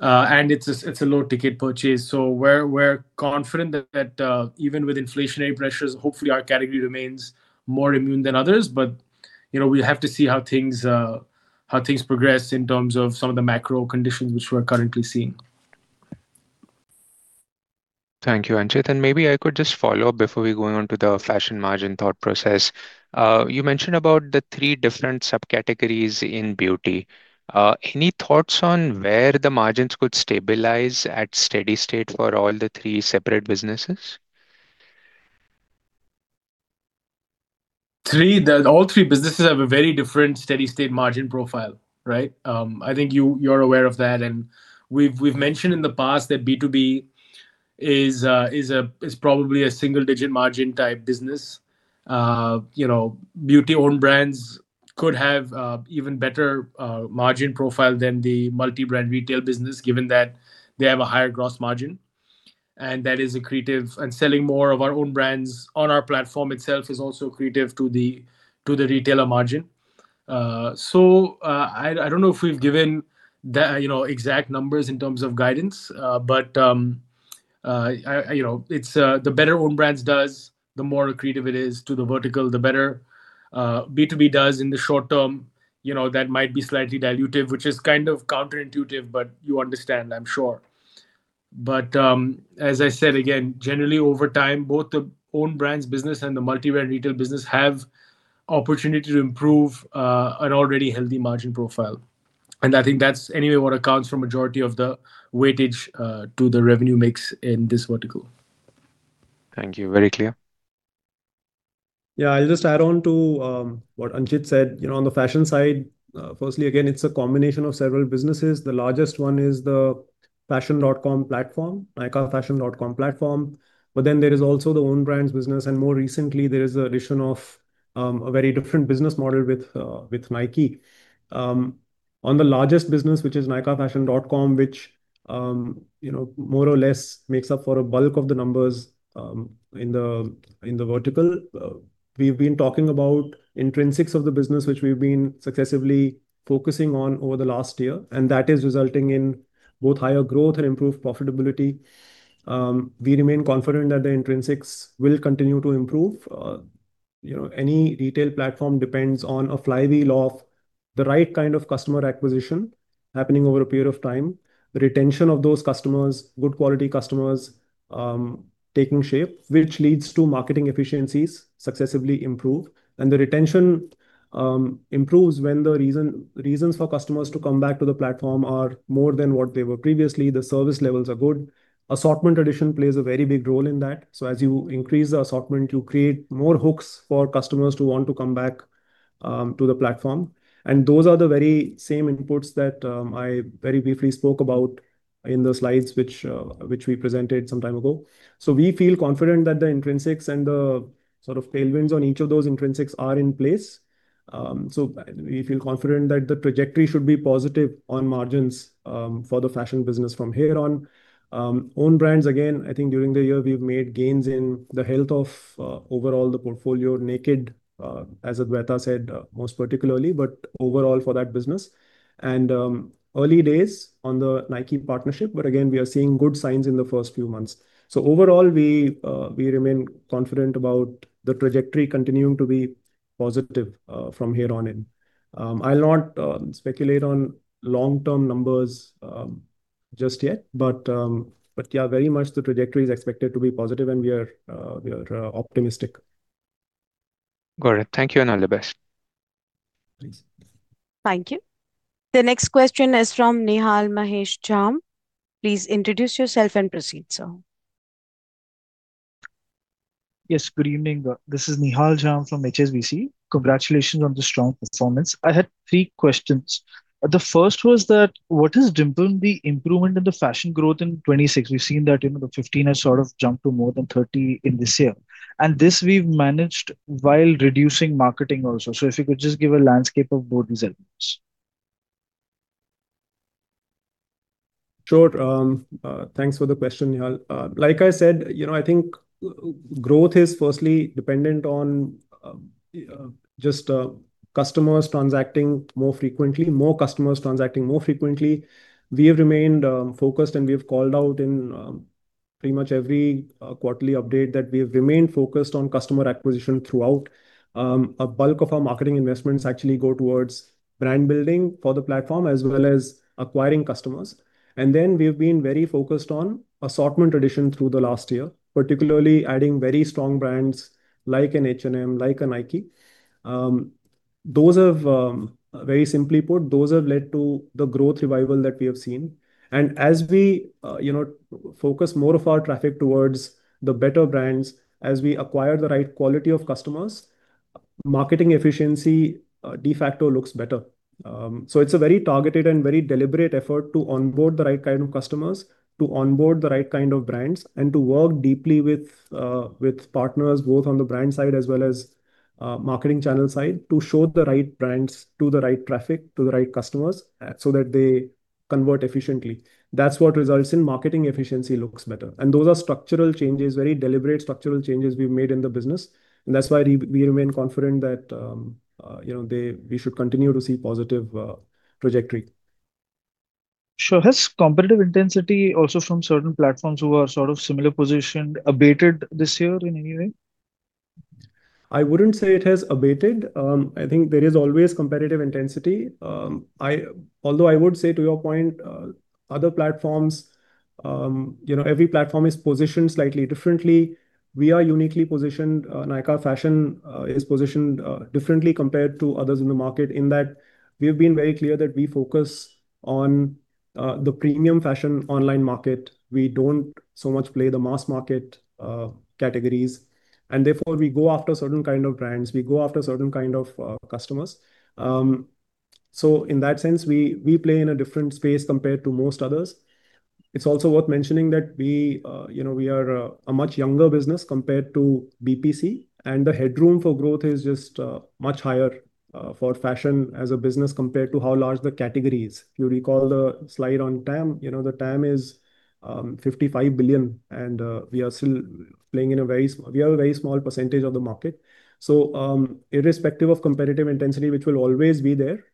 It's a low-ticket purchase. We're confident that even with inflationary pressures, hopefully our category remains more immune than others. We have to see how things progress in terms of some of the macro conditions which we're currently seeing. Thank you, Anchit. Maybe I could just follow up before we go on to the fashion margin thought process. You mentioned about the three different subcategories in beauty. Any thoughts on where the margins could stabilize at steady state for all the three separate businesses? All three businesses have a very different steady state margin profile, right? I think you're aware of that, and we've mentioned in the past that B2B is probably a single-digit margin type business. Beauty own brands could have even better margin profile than the multi-brand retail business, given that they have a higher gross margin. That is accretive, and selling more of our own brands on our platform itself is also accretive to the retailer margin. I don't know if we've given exact numbers in terms of guidance, but the better own brands does, the more accretive it is to the vertical, the better B2B does in the short term. That might be slightly dilutive, which is kind of counterintuitive, but you understand, I'm sure. As I said again, generally over time, both the own brands business and the multi-brand retail business have opportunity to improve an already healthy margin profile. I think that's anyway what accounts for majority of the weightage to the revenue mix in this vertical. Thank you. Very clear. I'll just add on to what Anchit said. On the fashion side, firstly, again, it's a combination of several businesses. The largest one is the fashion.com platform, nykaafashion.com platform. There is also the own brands business, and more recently there is addition of a very different business model with Nike. On the largest business, which is nykaafashion.com, which more or less makes up for a bulk of the numbers in the vertical. We've been talking about intrinsics of the business, which we've been successively focusing on over the last year, and that is resulting in both higher growth and improved profitability. We remain confident that the intrinsics will continue to improve. Any retail platform depends on a flywheel of the right kind of customer acquisition happening over a period of time, retention of those customers, good quality customers taking shape, which leads to marketing efficiencies successively improve. The retention improves when the reasons for customers to come back to the platform are more than what they were previously. The service levels are good. Assortment addition plays a very big role in that. As you increase the assortment, you create more hooks for customers to want to come back to the platform. Those are the very same inputs that I very briefly spoke about in the slides which we presented some time ago. We feel confident that the intrinsics and the sort of tailwinds on each of those intrinsics are in place. We feel confident that the trajectory should be positive on margins for the fashion business from here on. Own brands, again, I think during the year, we've made gains in the health of overall the portfolio, Nykd, as Adwaita said, most particularly, but overall for that business. Early days on the Nike partnership, but again, we are seeing good signs in the first few months. Overall, we remain confident about the trajectory continuing to be positive from here on in. I'll not speculate on long-term numbers just yet, but yeah, very much the trajectory is expected to be positive and we are optimistic. Got it. Thank you and all the best. Please. Thank you. The next question is from Nihal Mahesh Jham. Please introduce yourself and proceed, sir. Yes, good evening. This is Nihal Mahesh Jham from HSBC. Congratulations on the strong performance. I had three questions. The first was that what has driven the improvement in the fashion growth in FY 2026? We've seen that the 15% has sort of jumped to more than 30% in this year. This we've managed while reducing marketing also. If you could just give a landscape of both these elements. Sure. Thanks for the question, Nihal. Like I said, I think growth is firstly dependent on just customers transacting more frequently, more customers transacting more frequently. We have remained focused, and we have called out in pretty much every quarterly update that we have remained focused on customer acquisition throughout. A bulk of our marketing investments actually go towards brand building for the platform, as well as acquiring customers. We've been very focused on assortment addition through the last year, particularly adding very strong brands like an H&M, like a Nike. Very simply put, those have led to the growth revival that we have seen. As we focus more of our traffic towards the better brands, as we acquire the right quality of customers, marketing efficiency de facto looks better. It's a very targeted and very deliberate effort to onboard the right kind of customers, to onboard the right kind of brands, and to work deeply with partners, both on the brand side as well as marketing channel side, to show the right brands to the right traffic, to the right customers, so that they convert efficiently. That's what results in marketing efficiency looks better. Those are structural changes, very deliberate structural changes we've made in the business. That's why we remain confident that we should continue to see positive trajectory. Sure. Has competitive intensity also from certain platforms who are sort of similar position abated this year in any way? I wouldn't say it has abated. I think there is always competitive intensity. I would say to your point, other platforms, every platform is positioned slightly differently. We are uniquely positioned. Nykaa Fashion is positioned differently compared to others in the market in that we've been very clear that we focus on the premium fashion online market. We don't so much play the mass market categories. Therefore, we go after certain kind of brands, we go after certain kind of customers. In that sense, we play in a different space compared to most others. It's also worth mentioning that we are a much younger business compared to BPC, and the headroom for growth is just much higher for fashion as a business compared to how large the category is. If you recall the slide on TAM, the TAM is 55 billion, and we are still playing. We have a very small percentage of the market. Irrespective of competitive intensity, which will always be there,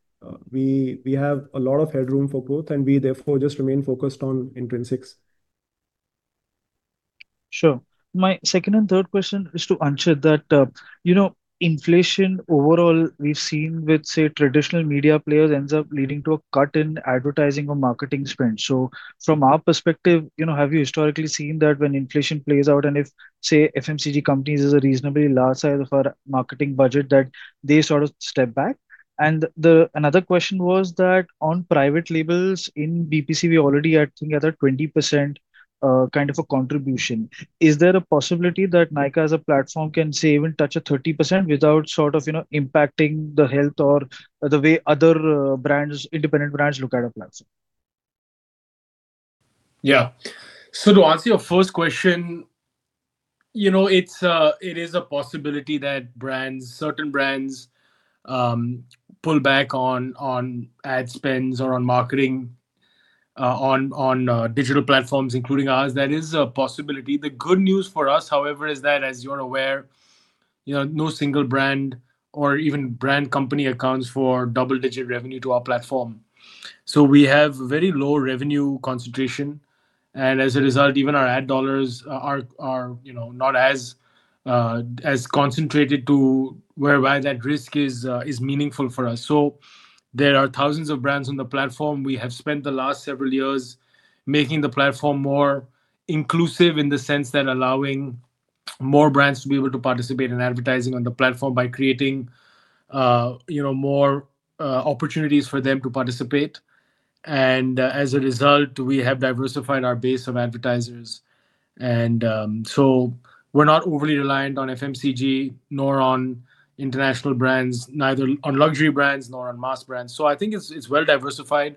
we have a lot of headroom for growth and we therefore just remain focused on intrinsics. Sure. My second and third question is to Anchit, inflation overall, we've seen with, say, traditional media players ends up leading to a cut in advertising or marketing spend. From our perspective, have you historically seen that when inflation plays out and if, say, FMCG companies is a reasonably large size of our marketing budget, that they sort of step back? Another question was on private labels in BPC, we already are I think at a 20% kind of a contribution. Is there a possibility that Nykaa as a platform can, say, even touch a 30% without sort of impacting the health or the way other independent brands look at a platform? To answer your first question, it is a possibility that certain brands pull back on ad spends or on marketing on digital platforms, including ours. That is a possibility. The good news for us, however, is that, as you are aware, no single brand or even brand company accounts for double-digit revenue to our platform. We have very low revenue concentration. And as a result, even our ad dollars are not as concentrated to whereby that risk is meaningful for us. There are thousands of brands on the platform. We have spent the last several years making the platform more inclusive in the sense that allowing more brands to be able to participate in advertising on the platform by creating more opportunities for them to participate. As a result, we have diversified our base of advertisers. We're not overly reliant on FMCG nor on international brands, neither on luxury brands nor on mass brands. I think it's well-diversified,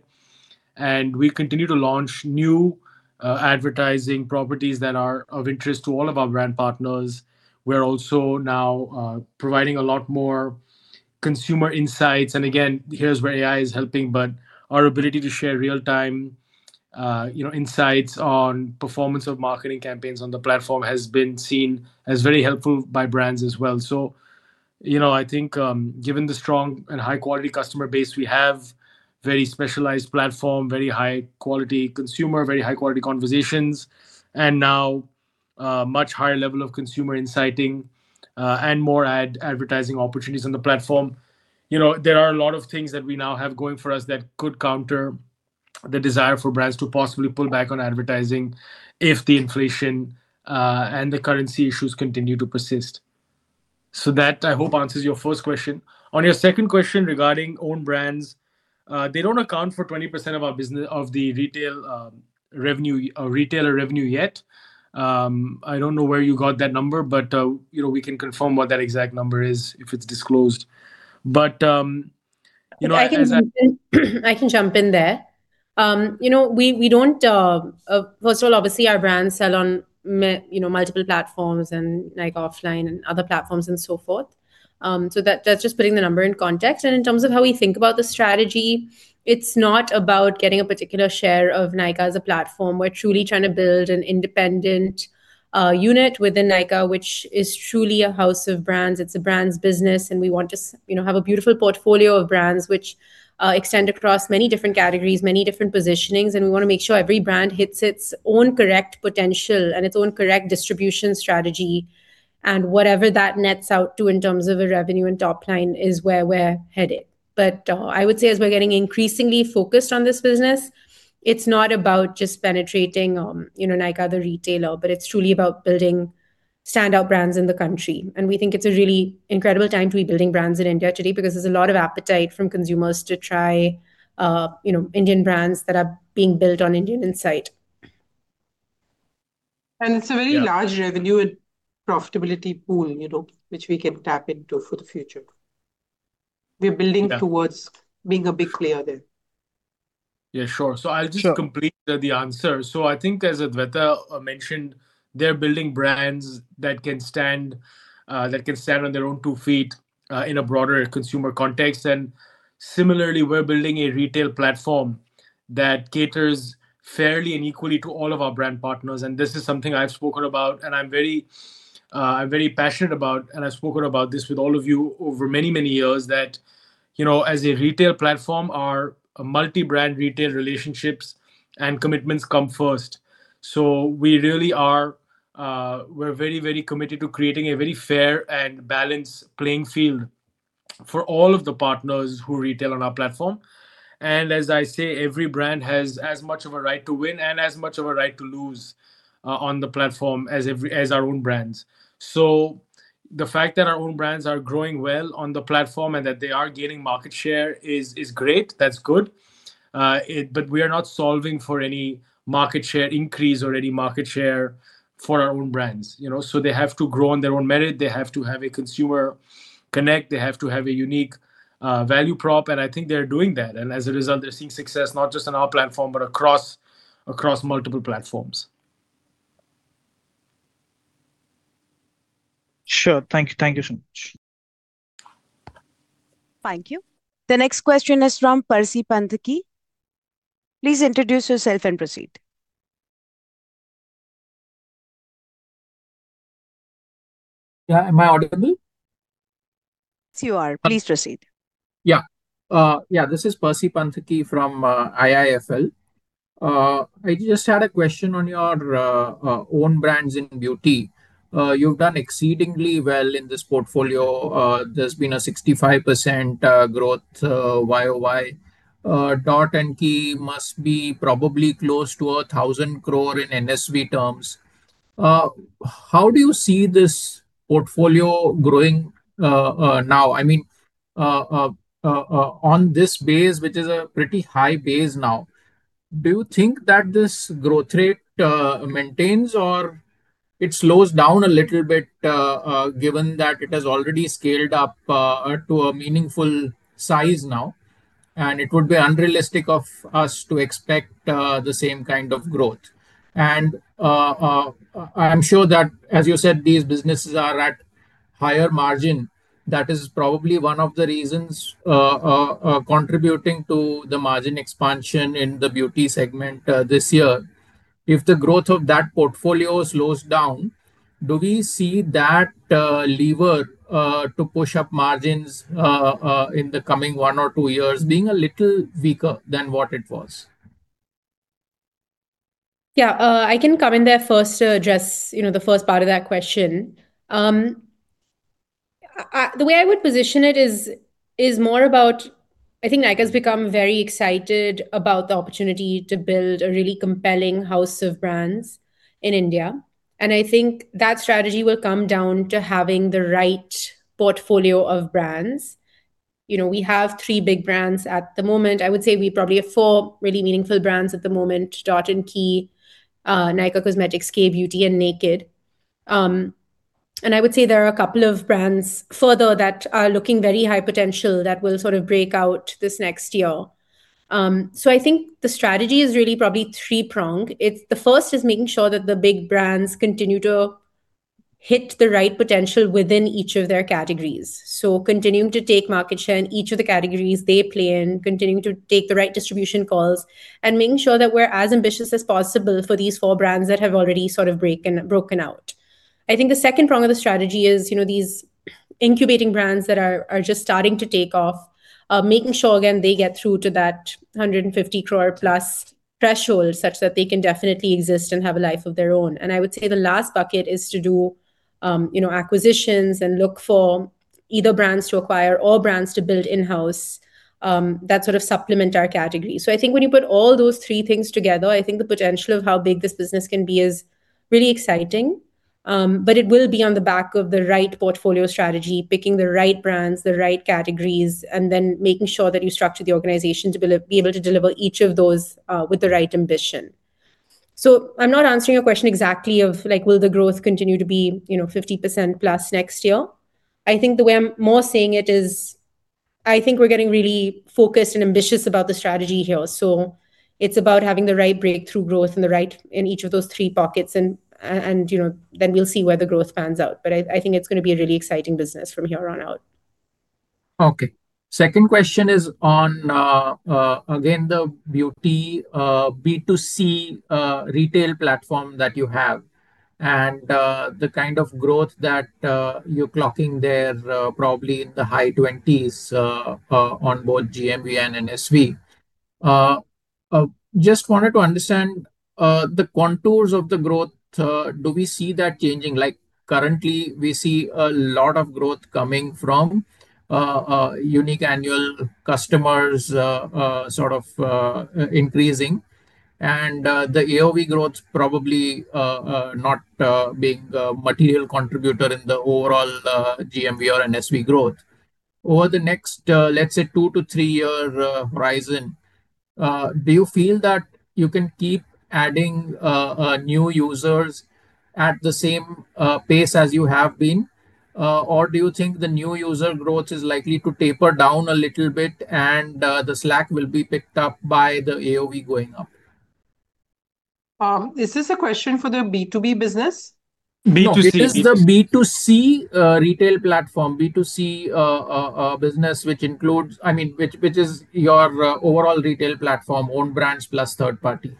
and we continue to launch new advertising properties that are of interest to all of our brand partners. We're also now providing a lot more consumer insights. Again, here's where AI is helping, but our ability to share real-time insights on performance of marketing campaigns on the platform has been seen as very helpful by brands as well. I think given the strong and high-quality customer base, we have very specialized platform, very high-quality consumer, very high-quality conversations, and now much higher level of consumer insighting, and more advertising opportunities on the platform. There are a lot of things that we now have going for us that could counter the desire for brands to possibly pull back on advertising if the inflation and the currency issues continue to persist. That, I hope, answers your first question. On your second question regarding own brands, they don't account for 20% of the retailer revenue yet. I don't know where you got that number, but we can confirm what that exact number is if it's disclosed. I can jump in there. First of all, obviously our brands sell on multiple platforms and like offline and other platforms and so forth. That's just putting the number in context. In terms of how we think about the strategy, it's not about getting a particular share of Nykaa as a platform. We're truly trying to build an independent unit within Nykaa, which is truly a house of brands. It's a brands business, we want to have a beautiful portfolio of brands which extend across many different categories, many different positionings, and we want to make sure every brand hits its own correct potential and its own correct distribution strategy. Whatever that nets out to in terms of a revenue and top line is where we're headed. I would say as we're getting increasingly focused on this business, it's not about just penetrating Nykaa the retailer, but it's truly about building standout brands in the country. We think it's a really incredible time to be building brands in India today because there's a lot of appetite from consumers to try Indian brands that are being built on Indian insight. It's a very large revenue and profitability pool, which we can tap into for the future. We're building towards being a big player there. Yeah, sure. Sure complete the answer. I think as Adwaita mentioned, they're building brands that can stand on their own two feet, in a broader consumer context. Similarly, we're building a retail platform that caters fairly and equally to all of our brand partners, and this is something I've spoken about and I'm very passionate about, and I've spoken about this with all of you over many, many years that, as a retail platform, our multi-brand retail relationships and commitments come first. We really are very, very committed to creating a very fair and balanced playing field for all of the partners who retail on our platform. As I say, every brand has as much of a right to win and as much of a right to lose on the platform as our own brands. The fact that our own brands are growing well on the platform and that they are gaining market share is great. That's good. We are not solving for any market share increase or any market share for our own brands. They have to grow on their own merit. They have to have a consumer connect. They have to have a unique value prop, and I think they're doing that. As a result, they're seeing success not just on our platform, but across multiple platforms. Sure. Thank you so much. Thank you. The next question is from Percy Panthaki. Please introduce yourself and proceed. Yeah. Am I audible? Yes, you are. Please proceed. Yeah. This is Percy Panthaki from IIFL. I just had a question on your own brands in beauty. You've done exceedingly well in this portfolio. There's been a 65% growth YoY. Dot & Key must be probably close to 1,000 crore in NSV terms. How do you see this portfolio growing now? I mean, on this base, which is a pretty high base now, do you think that this growth rate maintains or it slows down a little bit, given that it has already scaled up to a meaningful size now, and it would be unrealistic of us to expect the same kind of growth. I'm sure that, as you said, these businesses are at higher margin. That is probably one of the reasons contributing to the margin expansion in the beauty segment this year. If the growth of that portfolio slows down. Do we see that lever to push up margins in the coming one or two years being a little weaker than what it was? Yeah. I can come in there first to address the first part of that question. The way I would position it is more about, I think Nykaa's become very excited about the opportunity to build a really compelling house of brands in India, and I think that strategy will come down to having the right portfolio of brands. We have three big brands at the moment. I would say we probably have four really meaningful brands at the moment, Dot & Key, Nykaa Cosmetics, Kay Beauty, and Nykd. I would say there are a couple of brands further that are looking very high potential that will sort of break out this next year. I think the strategy is really probably three-pronged. The first is making sure that the big brands continue to hit the right potential within each of their categories. Continuing to take market share in each of the categories they play in, continuing to take the right distribution calls, and making sure that we're as ambitious as possible for these four brands that have already sort of broken out. I think the second prong of the strategy is these incubating brands that are just starting to take off, making sure, again, they get through to that 150+ crore threshold, such that they can definitely exist and have a life of their own. I would say the last bucket is to do acquisitions and look for either brands to acquire or brands to build in-house, that sort of supplement our category. I think when you put all those three things together, I think the potential of how big this business can be is really exciting. It will be on the back of the right portfolio strategy, picking the right brands, the right categories, and then making sure that you structure the organization to be able to deliver each of those with the right ambition. I'm not answering your question exactly of will the growth continue to be 50%+ next year. I think the way I'm more saying it is, I think we're getting really focused and ambitious about the strategy here. It's about having the right breakthrough growth in each of those three pockets, and then we'll see where the growth pans out. I think it's going to be a really exciting business from here on out. Okay. Second question is on, again, the beauty B2C retail platform that you have and the kind of growth that you are clocking there, probably in the high 20s on both GMV and NSV. Wanted to understand the contours of the growth. Do we see that changing? Currently, we see a lot of growth coming from unique annual customers sort of increasing, and the AOV growth probably not being a material contributor in the overall GMV and NSV growth. Over the next, let's say, two to three-year horizon, do you feel that you can keep adding new users at the same pace as you have been? Or do you think the new user growth is likely to taper down a little bit and the slack will be picked up by the AOV going up? Is this a question for the B2B business? B2C. It is the B2C retail platform, B2C business which is your overall retail platform, own brands plus third party.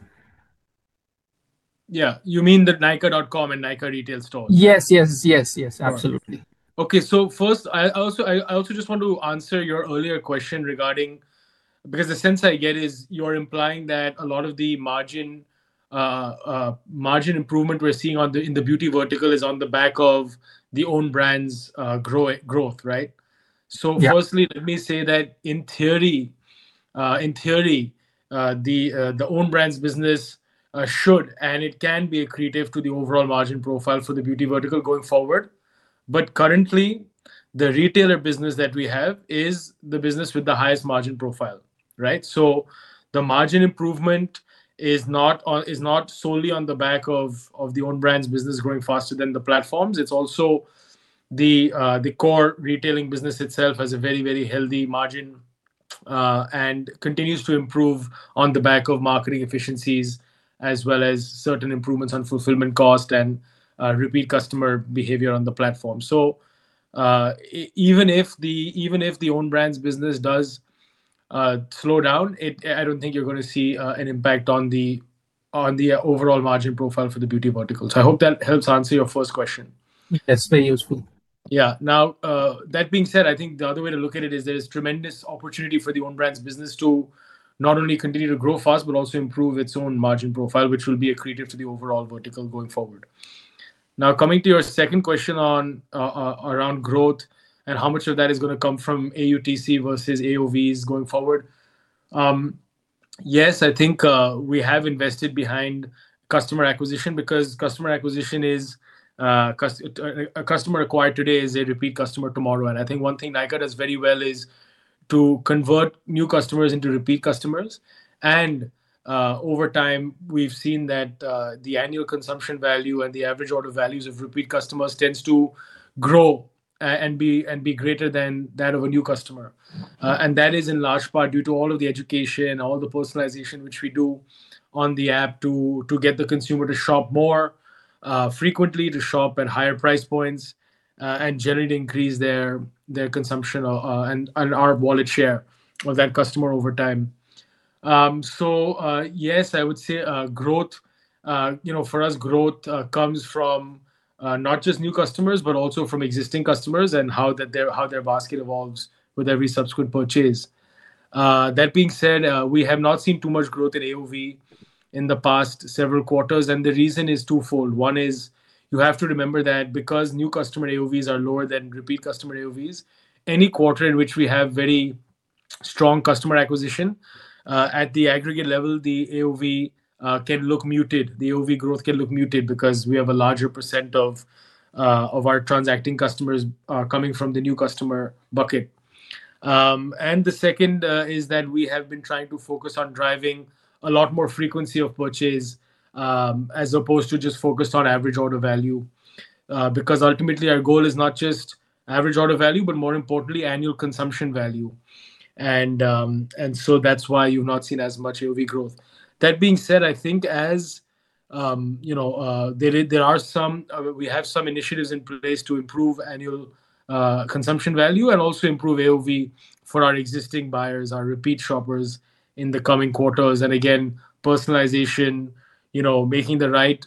Yeah. You mean the nykaa.com and Nykaa retail stores? Yes. Absolutely. Okay. First, I also just want to answer your earlier question regarding Because the sense I get is you're implying that a lot of the margin improvement we're seeing in the beauty vertical is on the back of the own brands growth, right? Yeah. Firstly, let me say that in theory, the own brands business should, and it can be accretive to the overall margin profile for the beauty vertical going forward. Currently, the retailer business that we have is the business with the highest margin profile. Right? The margin improvement is not solely on the back of the own brands business growing faster than the platforms. It's also the core retailing business itself has a very, very healthy margin and continues to improve on the back of marketing efficiencies as well as certain improvements on fulfillment cost and repeat customer behavior on the platform. Even if the own brands business does slow down, I don't think you're going to see an impact on the overall margin profile for the beauty vertical. I hope that helps answer your first question. That's very useful. That being said, I think the other way to look at it is there is tremendous opportunity for the own brands business to not only continue to grow fast but also improve its own margin profile, which will be accretive to the overall vertical going forward. Coming to your second question around growth and how much of that is going to come from AUTC versus AOVs going forward. I think we have invested behind customer acquisition because a customer acquired today is a repeat customer tomorrow. I think one thing Nykaa does very well is to convert new customers into repeat customers. Over time, we've seen that the annual consumption value and the average order values of repeat customers tends to grow and be greater than that of a new customer. That is in large part due to all of the education, all the personalization which we do on the app to get the consumer to shop more frequently, to shop at higher price points, and generally increase their consumption and our wallet share of that customer over time. Yes, I would say for us growth comes from not just new customers, but also from existing customers and how their basket evolves with every subsequent purchase. That being said, we have not seen too much growth in AOV in the past several quarters, and the reason is twofold. One is you have to remember that because new customer AOVs are lower than repeat customer AOVs, any quarter in which we have very strong customer acquisition, at the aggregate level, the AOV can look muted. The AOV growth can look muted because we have a larger percent of our transacting customers are coming from the new customer bucket. The second is that we have been trying to focus on driving a lot more frequency of purchase, as opposed to just focused on average order value. Ultimately our goal is not just average order value, but more importantly, annual consumption value. That's why you've not seen as much AOV growth. That being said, I think as we have some initiatives in place to improve annual consumption value and also improve AOV for our existing buyers, our repeat shoppers in the coming quarters. Again, personalization, showing the right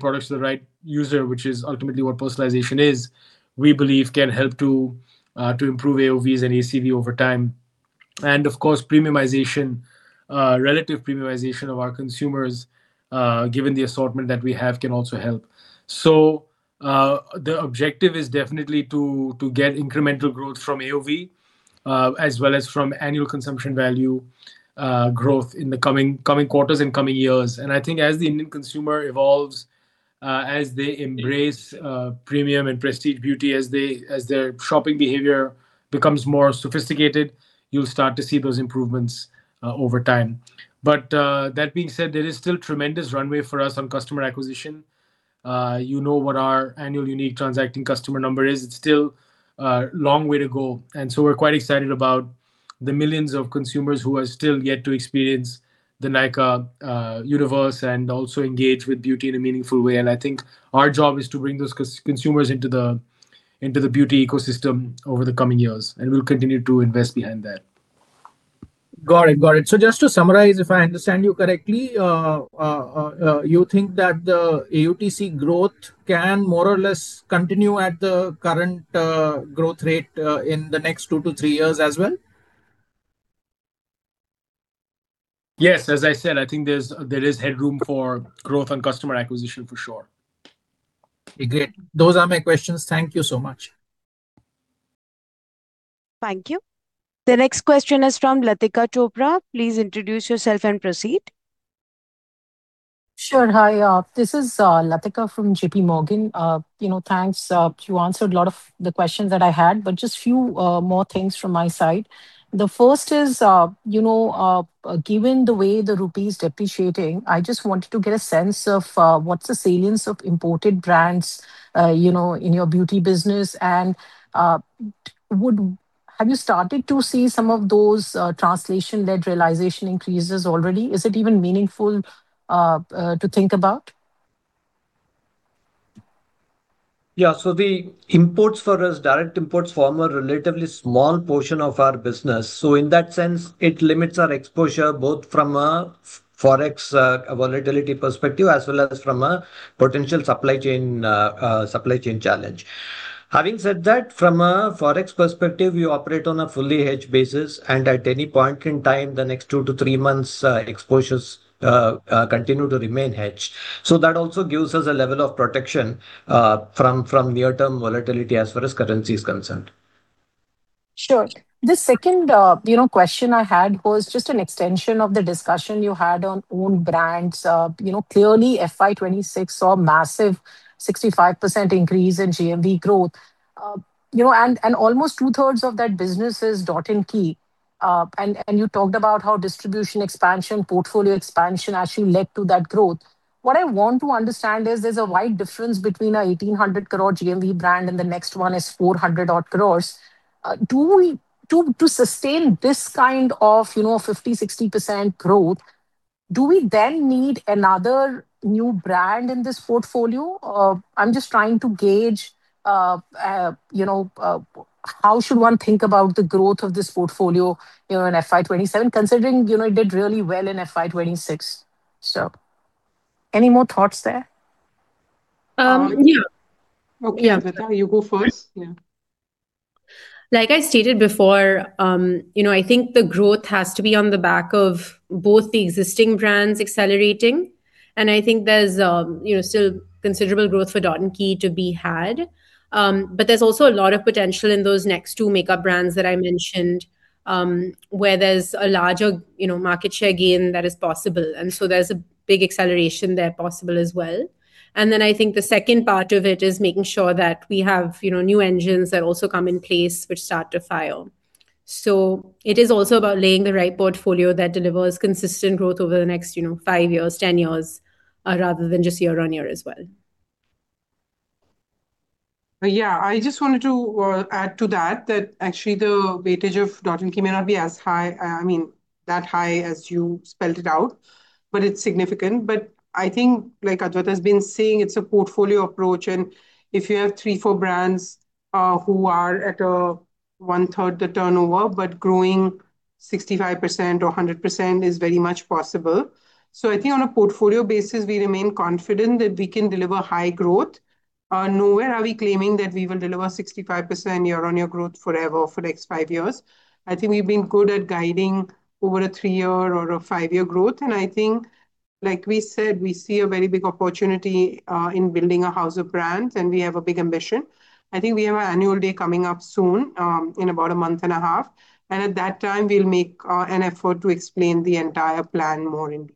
products to the right user, which is ultimately what personalization is, we believe can help to improve AOVs and ACV over time. Of course, relative premiumization of our consumers, given the assortment that we have, can also help. The objective is definitely to get incremental growth from AOV, as well as from annual consumption value growth in the coming quarters and coming years. I think as the Indian consumer evolves, as they embrace premium and prestige beauty, as their shopping behavior becomes more sophisticated, you'll start to see those improvements over time. That being said, there is still tremendous runway for us on customer acquisition. You know what our annual unique transacting customer number is. It's still a long way to go, we're quite excited about the millions of consumers who are still yet to experience the Nykaa universe and also engage with beauty in a meaningful way. I think our job is to bring those consumers into the beauty ecosystem over the coming years, and we'll continue to invest behind that. Got it. Just to summarize, if I understand you correctly, you think that the AUTC growth can more or less continue at the current growth rate in the next two to three years as well? Yes. As I said, I think there is headroom for growth on customer acquisition for sure. Great. Those are my questions. Thank you so much. Thank you. The next question is from Latika Chopra. Please introduce yourself and proceed. Sure. Hi, this is Latika from J.P. Morgan. Thanks. You answered a lot of the questions that I had, but just few more things from my side. The first is, given the way the rupee is depreciating, I just wanted to get a sense of what's the salience of imported brands in your beauty business, and have you started to see some of those translation-led realization increases already? Is it even meaningful to think about? Yeah. The imports for us, direct imports, form a relatively small portion of our business. In that sense, it limits our exposure both from a forex volatility perspective as well as from a potential supply chain challenge. Having said that, from a forex perspective, we operate on a fully hedged basis, and at any point in time, the next two to three months exposures continue to remain hedged. That also gives us a level of protection from near-term volatility as far as currency is concerned. Sure. The second question I had was just an extension of the discussion you had on own brands. Clearly FY 2026 saw a massive 65% increase in GMV growth. Almost two-thirds of that business is Dot & Key. You talked about how distribution expansion, portfolio expansion actually led to that growth. What I want to understand is there's a wide difference between an 1,800 crore GMV brand and the next one is 400 odd crores. To sustain this kind of 50%-60% growth, do we then need another new brand in this portfolio? I am just trying to gauge how should one think about the growth of this portfolio in FY 2027, considering it did really well in FY 2026. Any more thoughts there? Yeah. Okay, Adwaita, you go first. Yeah. Like I stated before, I think the growth has to be on the back of both the existing brands accelerating, and I think there's still considerable growth for Dot & Key to be had. There's also a lot of potential in those next two makeup brands that I mentioned, where there's a larger market share gain that is possible. There's a big acceleration there possible as well. I think the second part of it is making sure that we have new engines that also come in place which start to fire. It is also about laying the right portfolio that delivers consistent growth over the next five years, 10 years, rather than just year-on-year as well. Yeah, I just wanted to add to that actually the weightage of Dot & Key may not be as high, I mean, that high as you spelled it out, but it's significant. I think like Adwaita has been saying, it's a portfolio approach, and if you have three, four brands who are at one-third the turnover, but growing 65% or 100% is very much possible. I think on a portfolio basis, we remain confident that we can deliver high growth. Nowhere are we claiming that we will deliver 65% year-on-year growth forever for the next five years. I think we've been good at guiding over a three-year or a five-year growth, and I think, like we said, we see a very big opportunity, in building a house of brands, and we have a big ambition. I think we have our annual day coming up soon, in about a month and a half, and at that time we'll make an effort to explain the entire plan more in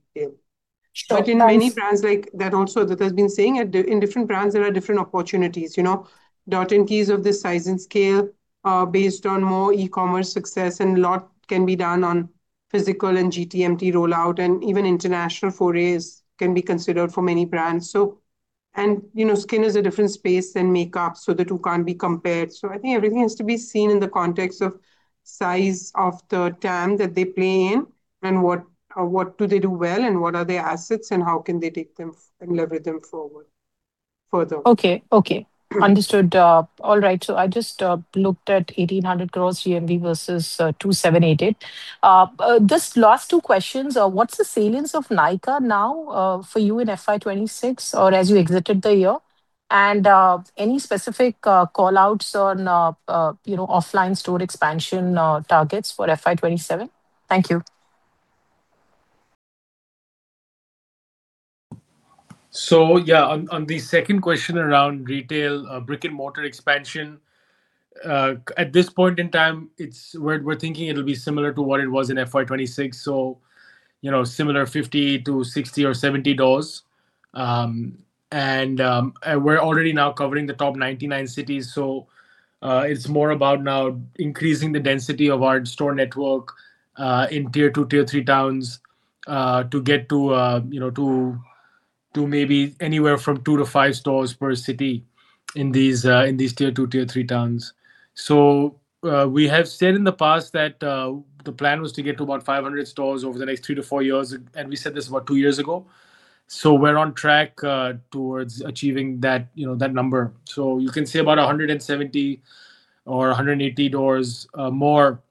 detail. Sure. Thanks. In many brands like that also that has been saying it, in different brands, there are different opportunities. The Dot & Key of this size and scale are based on more e-commerce success and a lot can be done on physical and GTMT rollout, and even international forays can be considered for many brands. Skin is a different space than makeup, so the two can't be compared. I think everything has to be seen in the context of size of the TAM that they play in and what do they do well, and what are their assets and how can they take them and lever them forward further. Okay. Understood. All right. I just looked at 1,800 crores GMV versus 2,788. Just last two questions. What's the salience of Nykaa now for you in FY 2026 or as you exited the year? Any specific call-outs on offline store expansion targets for FY 2027? Thank you. Yeah, on the second question around retail, brick-and-mortar expansion, at this point in time, we're thinking it'll be similar to what it was in FY 2026, so similar 50-60 or 70 doors. We're already now covering the top 99 cities, it's more about now increasing the density of our store network, in tier two, tier three towns, to get to maybe anywhere from two to five stores per city in these tier two, tier three towns. We have said in the past that the plan was to get to about 500 stores over the next three to four years, and we said this about two years ago. We're on track towards achieving that number. You can say about 170 or 180 doors more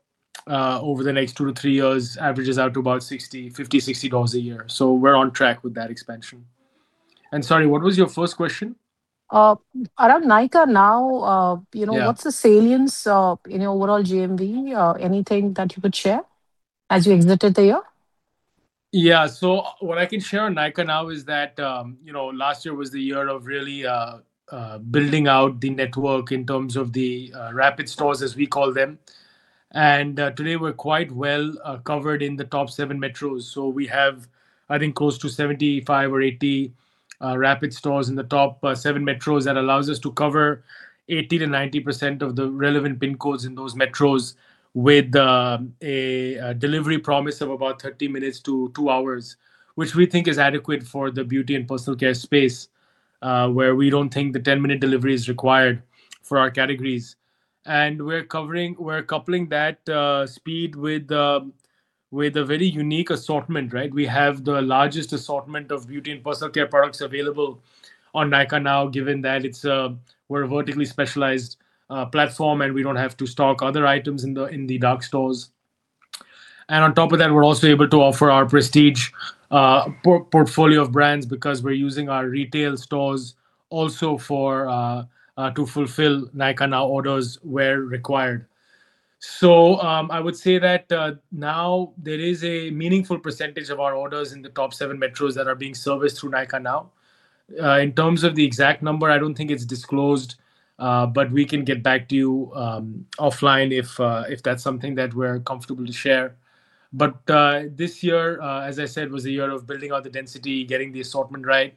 over the next two to three years, averages out to about 50, 60 doors a year. We're on track with that expansion. Sorry, what was your first question? Around Nykaa Now. Yeah What's the salience in your overall GMV? Anything that you could share as you exited the year? Yeah. What I can share on Nykaa Now is that last year was the year of really building out the network in terms of the rapid stores, as we call them. Today we're quite well covered in the top seven metros. We have, I think close to 75 or 80 rapid stores in the top seven metros. That allows us to cover 80%-90% of the relevant pin codes in those metros with a delivery promise of about 30 minutes to two hours, which we think is adequate for the beauty and personal care space, where we don't think the 10-minute delivery is required for our categories. We're coupling that speed with a very unique assortment, right? We have the largest assortment of beauty and personal care products available on Nykaa Now, given that we're a vertically specialized platform, and we don't have to stock other items in the dark stores. On top of that, we're also able to offer our prestige portfolio of brands because we're using our retail stores also to fulfill Nykaa Now orders where required. I would say that now there is a meaningful percentage of our orders in the top seven metros that are being serviced through Nykaa Now. In terms of the exact number, I don't think it's disclosed, but we can get back to you offline if that's something that we're comfortable to share. This year, as I said, was the year of building out the density, getting the assortment right.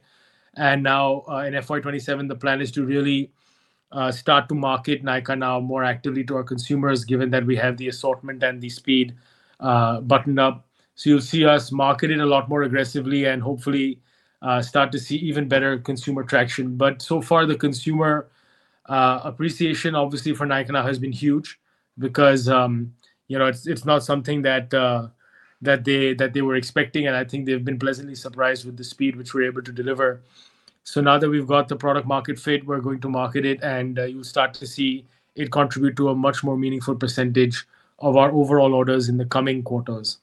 Now, in FY 2027, the plan is to really start to market Nykaa Now more actively to our consumers, given that we have the assortment and the speed buttoned up. You'll see us marketing a lot more aggressively and hopefully start to see even better consumer traction. So far, the consumer appreciation, obviously, for Nykaa Now has been huge because it's not something that they were expecting, and I think they've been pleasantly surprised with the speed which we're able to deliver. Now that we've got the product market fit, we're going to market it, and you'll start to see it contribute to a much more meaningful percentage of our overall orders in the coming quarters.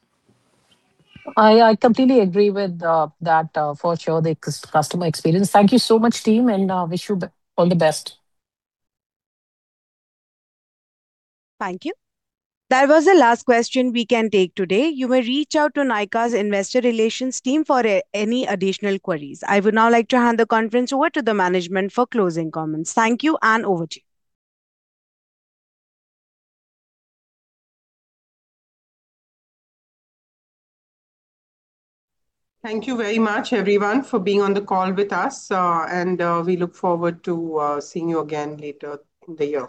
I completely agree with that, for sure, the customer experience. Thank you so much, team, and wish you all the best. Thank you. That was the last question we can take today. You may reach out to Nykaa's investor relations team for any additional queries. I would now like to hand the conference over to the management for closing comments. Thank you. Over to you. Thank you very much, everyone, for being on the call with us, and we look forward to seeing you again later in the year.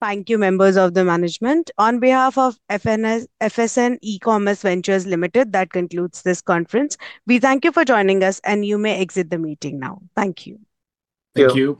Thank you, members of the management. On behalf of FSN E-Commerce Ventures Limited, that concludes this conference. We thank you for joining us, and you may exit the meeting now. Thank you. Thank you.